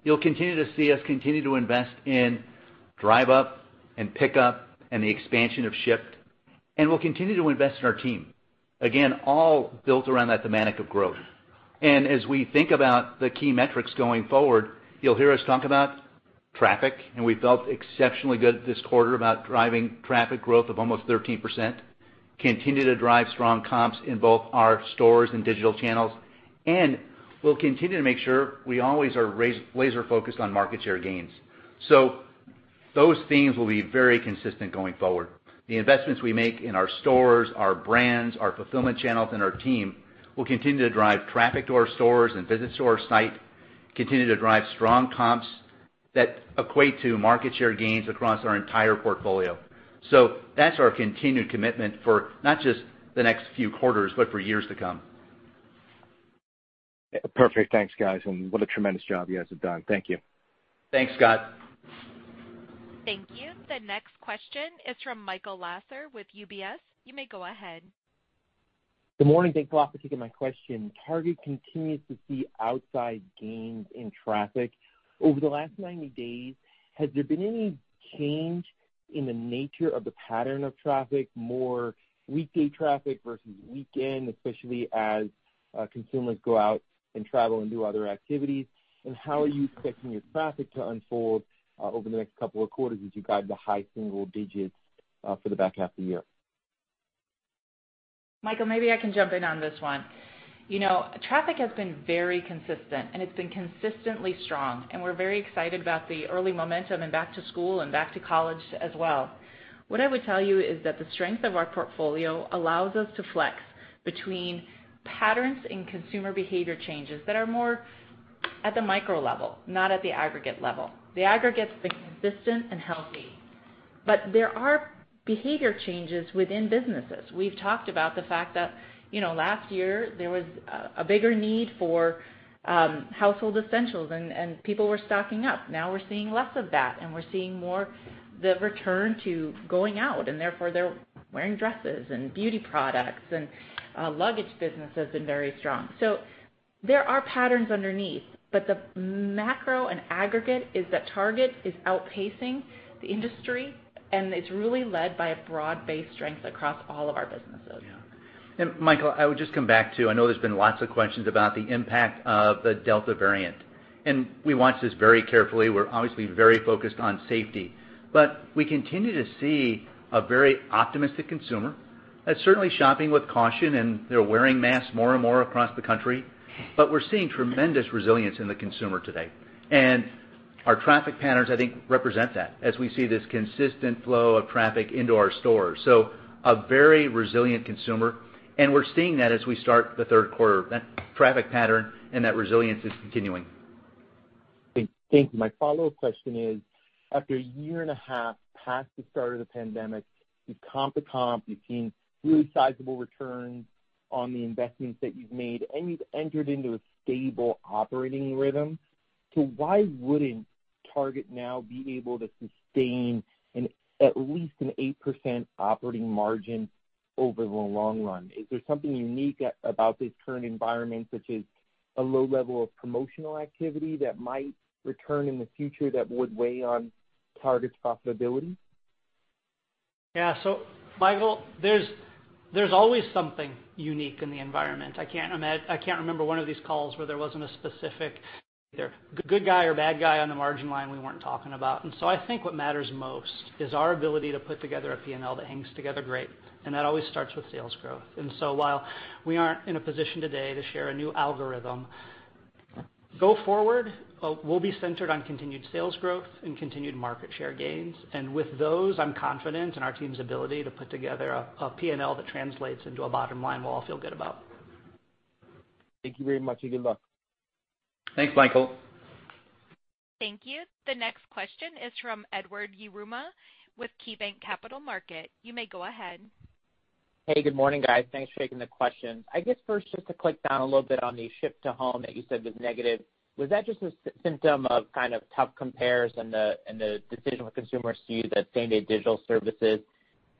You'll continue to see us invest in Drive Up and Pickup and the expansion of Shipt. We'll continue to invest in our team. Again, all built around that thematic of growth. As we think about the key metrics going forward, you'll hear us talk about traffic, and we felt exceptionally good this quarter about driving traffic growth of almost 13%. Continue to drive strong comps in both our stores and digital channels. We'll continue to make sure we always are laser-focused on market share gains. Those themes will be very consistent going forward. The investments we make in our stores, our brands, our fulfillment channels, and our team will continue to drive traffic to our stores and visits to our site, continue to drive strong comps that equate to market share gains across our entire portfolio. That's our continued commitment for not just the next few quarters, but for years to come. Perfect. Thanks, guys. What a tremendous job you guys have done. Thank you. Thanks, Scott. Thank you. The next question is from Michael Lasser with UBS. You may go ahead. Good morning. Thanks a lot for taking my question. Target continues to see outsize gains in traffic. Over the last 90 days, has there been any change in the nature of the pattern of traffic, more weekday traffic versus weekend, especially as consumers go out and travel and do other activities? How are you expecting your traffic to unfold, over the next couple of quarters as you guide the high single digits, for the back half of the year? Michael, maybe I can jump in on this one. Traffic has been very consistent and it's been consistently strong, and we're very excited about the early momentum in back to school and back to college as well. What I would tell you is that the strength of our portfolio allows us to flex between patterns in consumer behavior changes that are more at the micro level, not at the aggregate level. The aggregate's been consistent and healthy. There are behavior changes within businesses. We've talked about the fact that last year there was a bigger need for household essentials and people were stocking up. Now we're seeing less of that, and we're seeing more the return to going out, and therefore they're wearing dresses and beauty products, and luggage business has been very strong. There are patterns underneath, but the macro and aggregate is that Target is outpacing the industry, and it's really led by a broad-based strength across all of our businesses. Yeah. Michael, I would just come back to, I know there's been lots of questions about the impact of the Delta variant. We watch this very carefully. We're obviously very focused on safety. We continue to see a very optimistic consumer that's certainly shopping with caution, and they're wearing masks more and more across the country. We're seeing tremendous resilience in the consumer today. Our traffic patterns, I think, represent that as we see this consistent flow of traffic into our stores. A very resilient consumer, and we're seeing that as we start the third quarter. That traffic pattern and that resilience is continuing. Thank you. My follow-up question is, after a year and a half past the start of the pandemic, you comp to comp, you've seen really sizable returns on the investments that you've made, and you've entered into a stable operating rhythm. Why wouldn't Target now be able to sustain at least an 8% operating margin over the long run? Is there something unique about this current environment, such as a low level of promotional activity that might return in the future that would weigh on Target's profitability? Yeah. Michael, there's always something unique in the environment. I can't remember one of these calls where there wasn't a specific, either good guy or bad guy on the margin line we weren't talking about. I think what matters most is our ability to put together a P&L that hangs together great, and that always starts with sales growth. While we aren't in a position today to share a new algorithm, go forward, we'll be centered on continued sales growth and continued market share gains. With those, I'm confident in our team's ability to put together a P&L that translates into a bottom line we'll all feel good about. Thank you very much, and good luck. Thanks, Michael. Thank you. The next question is from Edward Yruma with KeyBanc Capital Markets. You may go ahead. Hey, good morning, guys. Thanks for taking the questions. I guess first, just to click down a little bit on the ship-to-home that you said was negative, was that just a symptom of kind of tough compares and the decision when consumers see the same-day digital services?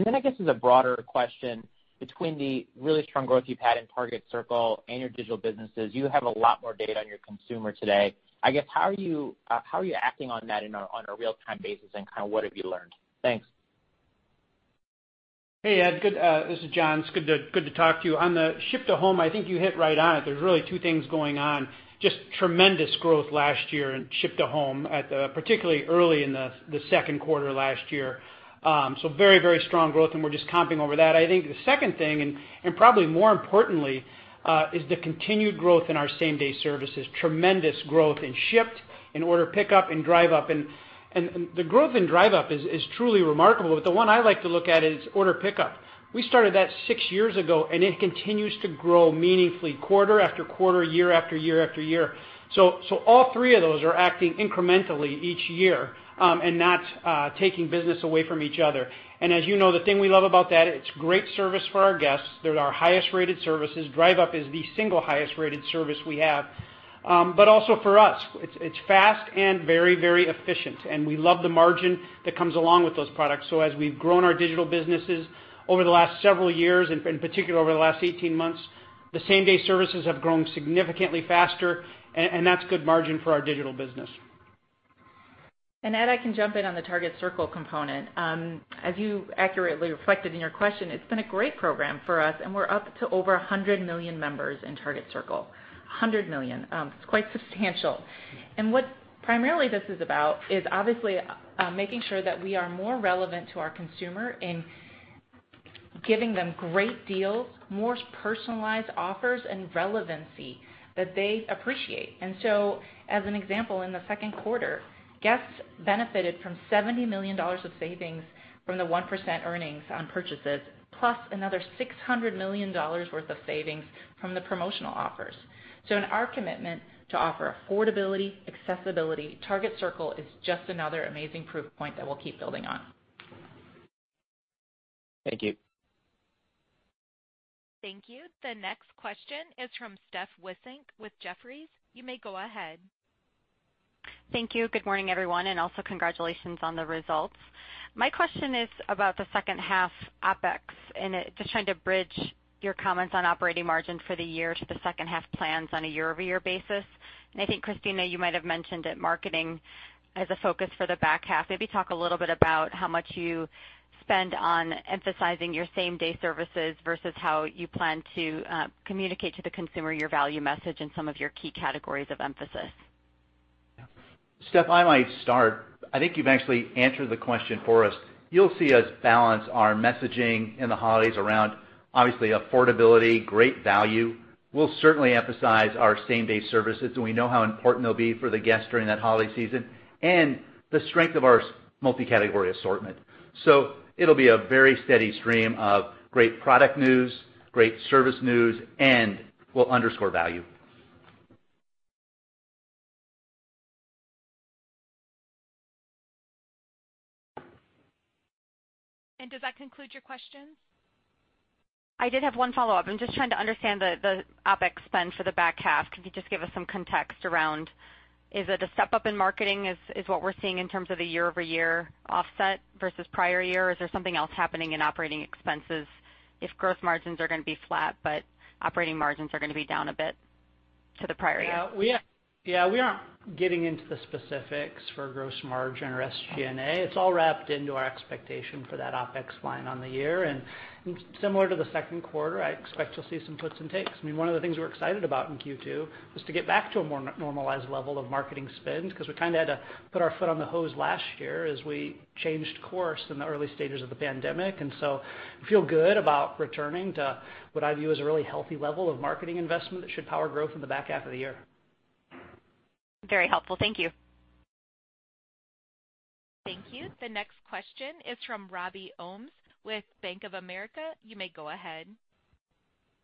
I guess as a broader question, between the really strong growth you've had in Target Circle and your digital businesses, you have a lot more data on your consumer today. I guess, how are you acting on that on a real-time basis, and what have you learned? Thanks. Hey, Ed. This is John. It's good to talk to you. On the ship-to-home, I think you hit right on it. There's really two things going on. Just tremendous growth last year in ship-to-home at the, particularly early in the second quarter last year. Very strong growth, and we're just comping over that. I think the second thing, and probably more importantly, is the continued growth in our same-day services. Tremendous growth in Shipt, in Order Pickup, and Drive Up, and the growth in Drive Up is truly remarkable, but the one I like to look at is Order Pickup. We started that six years ago, and it continues to grow meaningfully quarter-after-quarter, year-after-year. All three of those are acting incrementally each year, and not taking business away from each other. As you know, the thing we love about that, it's great service for our guests. They're our highest-rated services. Drive Up is the single highest-rated service we have. Also for us, it's fast and very efficient, and we love the margin that comes along with those products. As we've grown our digital businesses over the last several years, in particular over the last 18 months, the same-day services have grown significantly faster and that's good margin for our digital business. Ed, I can jump in on the Target Circle component. As you accurately reflected in your question, it's been a great program for us, and we're up to over 100 million members in Target Circle. 100 million. It's quite substantial. What primarily this is about is obviously making sure that we are more relevant to our consumer in giving them great deals, more personalized offers, and relevancy that they appreciate. As an example, in the second quarter, guests benefited from $70 million of savings from the 1% earnings on purchases plus another $600 million worth of savings from the promotional offers. In our commitment to offer affordability, accessibility, Target Circle is just another amazing proof point that we'll keep building on. Thank you. Thank you. The next question is from Steph Wissink with Jefferies. You may go ahead. Thank you. Good morning, everyone. Congratulations on the results. My question is about the second half OpEx and just trying to bridge your comments on operating margin for the year to the second half plans on a year-over-year basis. I think, Christina, you might have mentioned that marketing as a focus for the back half. Maybe talk a little bit about how much you spend on emphasizing your same-day services versus how you plan to communicate to the consumer your value message and some of your key categories of emphasis. Yeah. Steph, I might start. I think you've actually answered the question for us. You'll see us balance our messaging in the holidays around obviously affordability, great value. We'll certainly emphasize our same-day services, and we know how important they'll be for the guests during that holiday season, and the strength of our multi-category assortment. It'll be a very steady stream of great product news, great service news, and we'll underscore value. Does that conclude your questions? I did have one follow-up. I'm just trying to understand the OpEx spend for the back half. Could you just give us some context around is it a step-up in marketing is what we're seeing in terms of the year-over-year offset versus prior year? Is there something else happening in operating expenses if growth margins are going to be flat, but operating margins are going to be down a bit to the prior year? Yeah. We aren't getting into the specifics for gross margin or SG&A. It's all wrapped into our expectation for that OpEx line on the year. Similar to the second quarter, I expect you'll see some puts and takes. One of the things we're excited about in Q2 was to get back to a more normalized level of marketing spends because we kind of had to put our foot on the hose last year as we changed course in the early stages of the pandemic. We feel good about returning to what I view as a really healthy level of marketing investment that should power growth in the back half of the year. Very helpful. Thank you. Thank you. The next question is from Robbie Ohmes with Bank of America. You may go ahead.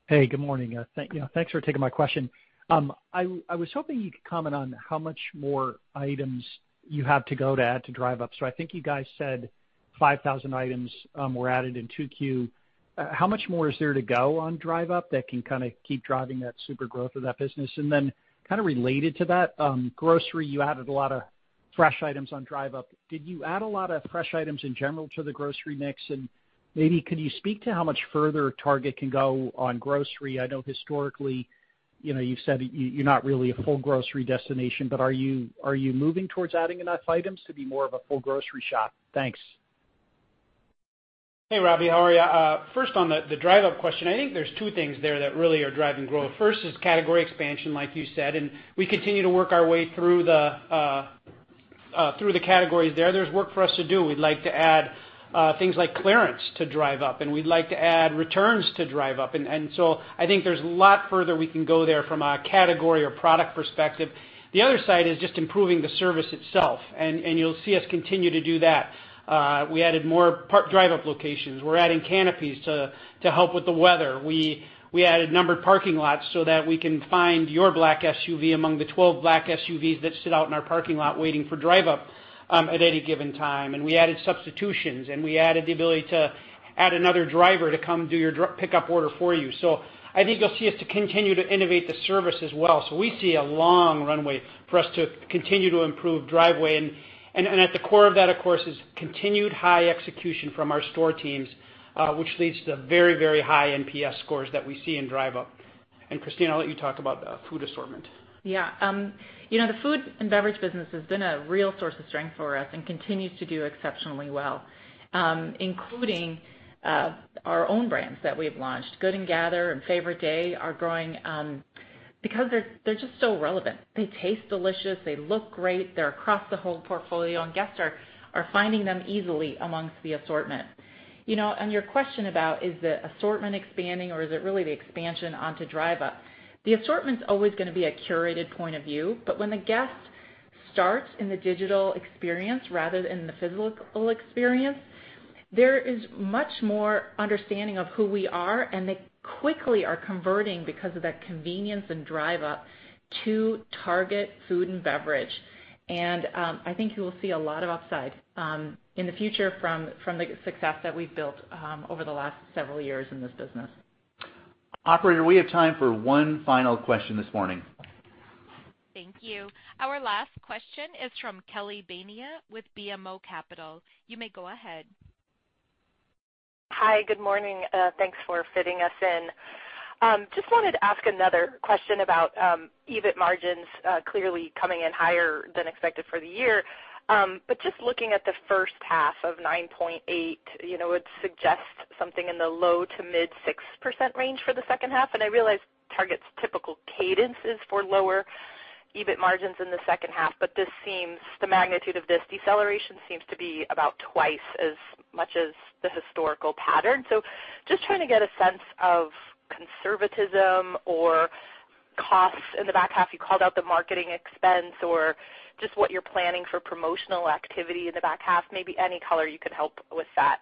Hey, good morning. Thanks for taking my question. I was hoping you could comment on how much more items you have to go to add to Drive Up. I think you guys said 5,000 items were added in 2Q. How much more is there to go on Drive Up that can kind of keep driving that super growth of that business? Kind of related to that, grocery, you added a lot of fresh items on Drive Up. Did you add a lot of fresh items in general to the grocery mix? Maybe could you speak to how much further Target can go on grocery? I know historically, you've said you're not really a full grocery destination, but are you moving towards adding enough items to be more of a full grocery shop? Thanks. Hey, Robbie. How are you? First on the Drive Up question, I think there's two things there that really are driving growth. First is category expansion, like you said, and we continue to work our way through the categories there. There's work for us to do. We'd like to add things like clearance to Drive Up, and we'd like to add returns to Drive Up. I think there's a lot further we can go there from a category or product perspective. The other side is just improving the service itself, and you'll see us continue to do that. We added more Drive Up locations. We're adding canopies to help with the weather. We added numbered parking lots so that we can find your black SUV among the 12 black SUVs that sit out in our parking lot waiting for Drive Up at any given time. We added substitutions, and we added the ability to add another driver to come do your Pickup order for you. I think you'll see us to continue to innovate the service as well. We see a long runway for us to continue to improve Drive Up. At the core of that, of course, is continued high execution from our store teams, which leads to very, very high NPS scores that we see in Drive Up. Christina, I'll let you talk about the food assortment. Yeah. The food and beverage business has been a real source of strength for us and continues to do exceptionally well, including our own brands that we've launched. Good & Gather and Favorite Day are growing because they're just so relevant. They taste delicious. They look great. They're across the whole portfolio, and guests are finding them easily amongst the assortment. On your question about is the assortment expanding or is it really the expansion onto Drive Up, the assortment's always going to be a curated point of view. When the guest starts in the digital experience rather than the physical experience, there is much more understanding of who we are, and they quickly are converting because of that convenience in Drive Up to Target food and beverage. I think you will see a lot of upside in the future from the success that we've built over the last several years in this business. Operator, we have time for one final question this morning. Thank you. Our last question is from Kelly Bania with BMO Capital. You may go ahead. Hi. Good morning. Thanks for fitting us in. Just wanted to ask another question about EBIT margins clearly coming in higher than expected for the year. Just looking at the first half of 9.8, it suggests something in the low to mid 6% range for the second half. I realize Target's typical cadence is for lower EBIT margins in the second half, but the magnitude of this deceleration seems to be about twice as much as the historical pattern. Just trying to get a sense of conservatism or costs in the back half. You called out the marketing expense or just what you're planning for promotional activity in the back half. Maybe any color you could help with that.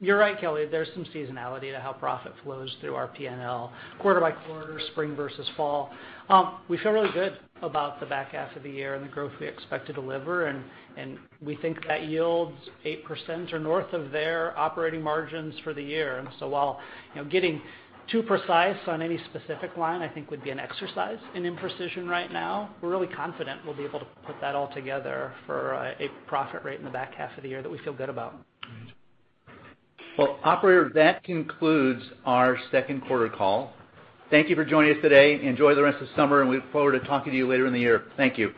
You're right, Kelly. There's some seasonality to how profit flows through our P&L quarter-by-quarter, spring versus fall. We feel really good about the back half of the year and the growth we expect to deliver, and we think that yields 8% or north of there operating margins for the year. While getting too precise on any specific line, I think would be an exercise in imprecision right now. We're really confident we'll be able to put that all together for a profit rate in the back half of the year that we feel good about. Well, operator, that concludes our second quarter call. Thank you for joining us today. Enjoy the rest of the summer, and we look forward to talking to you later in the year. Thank you.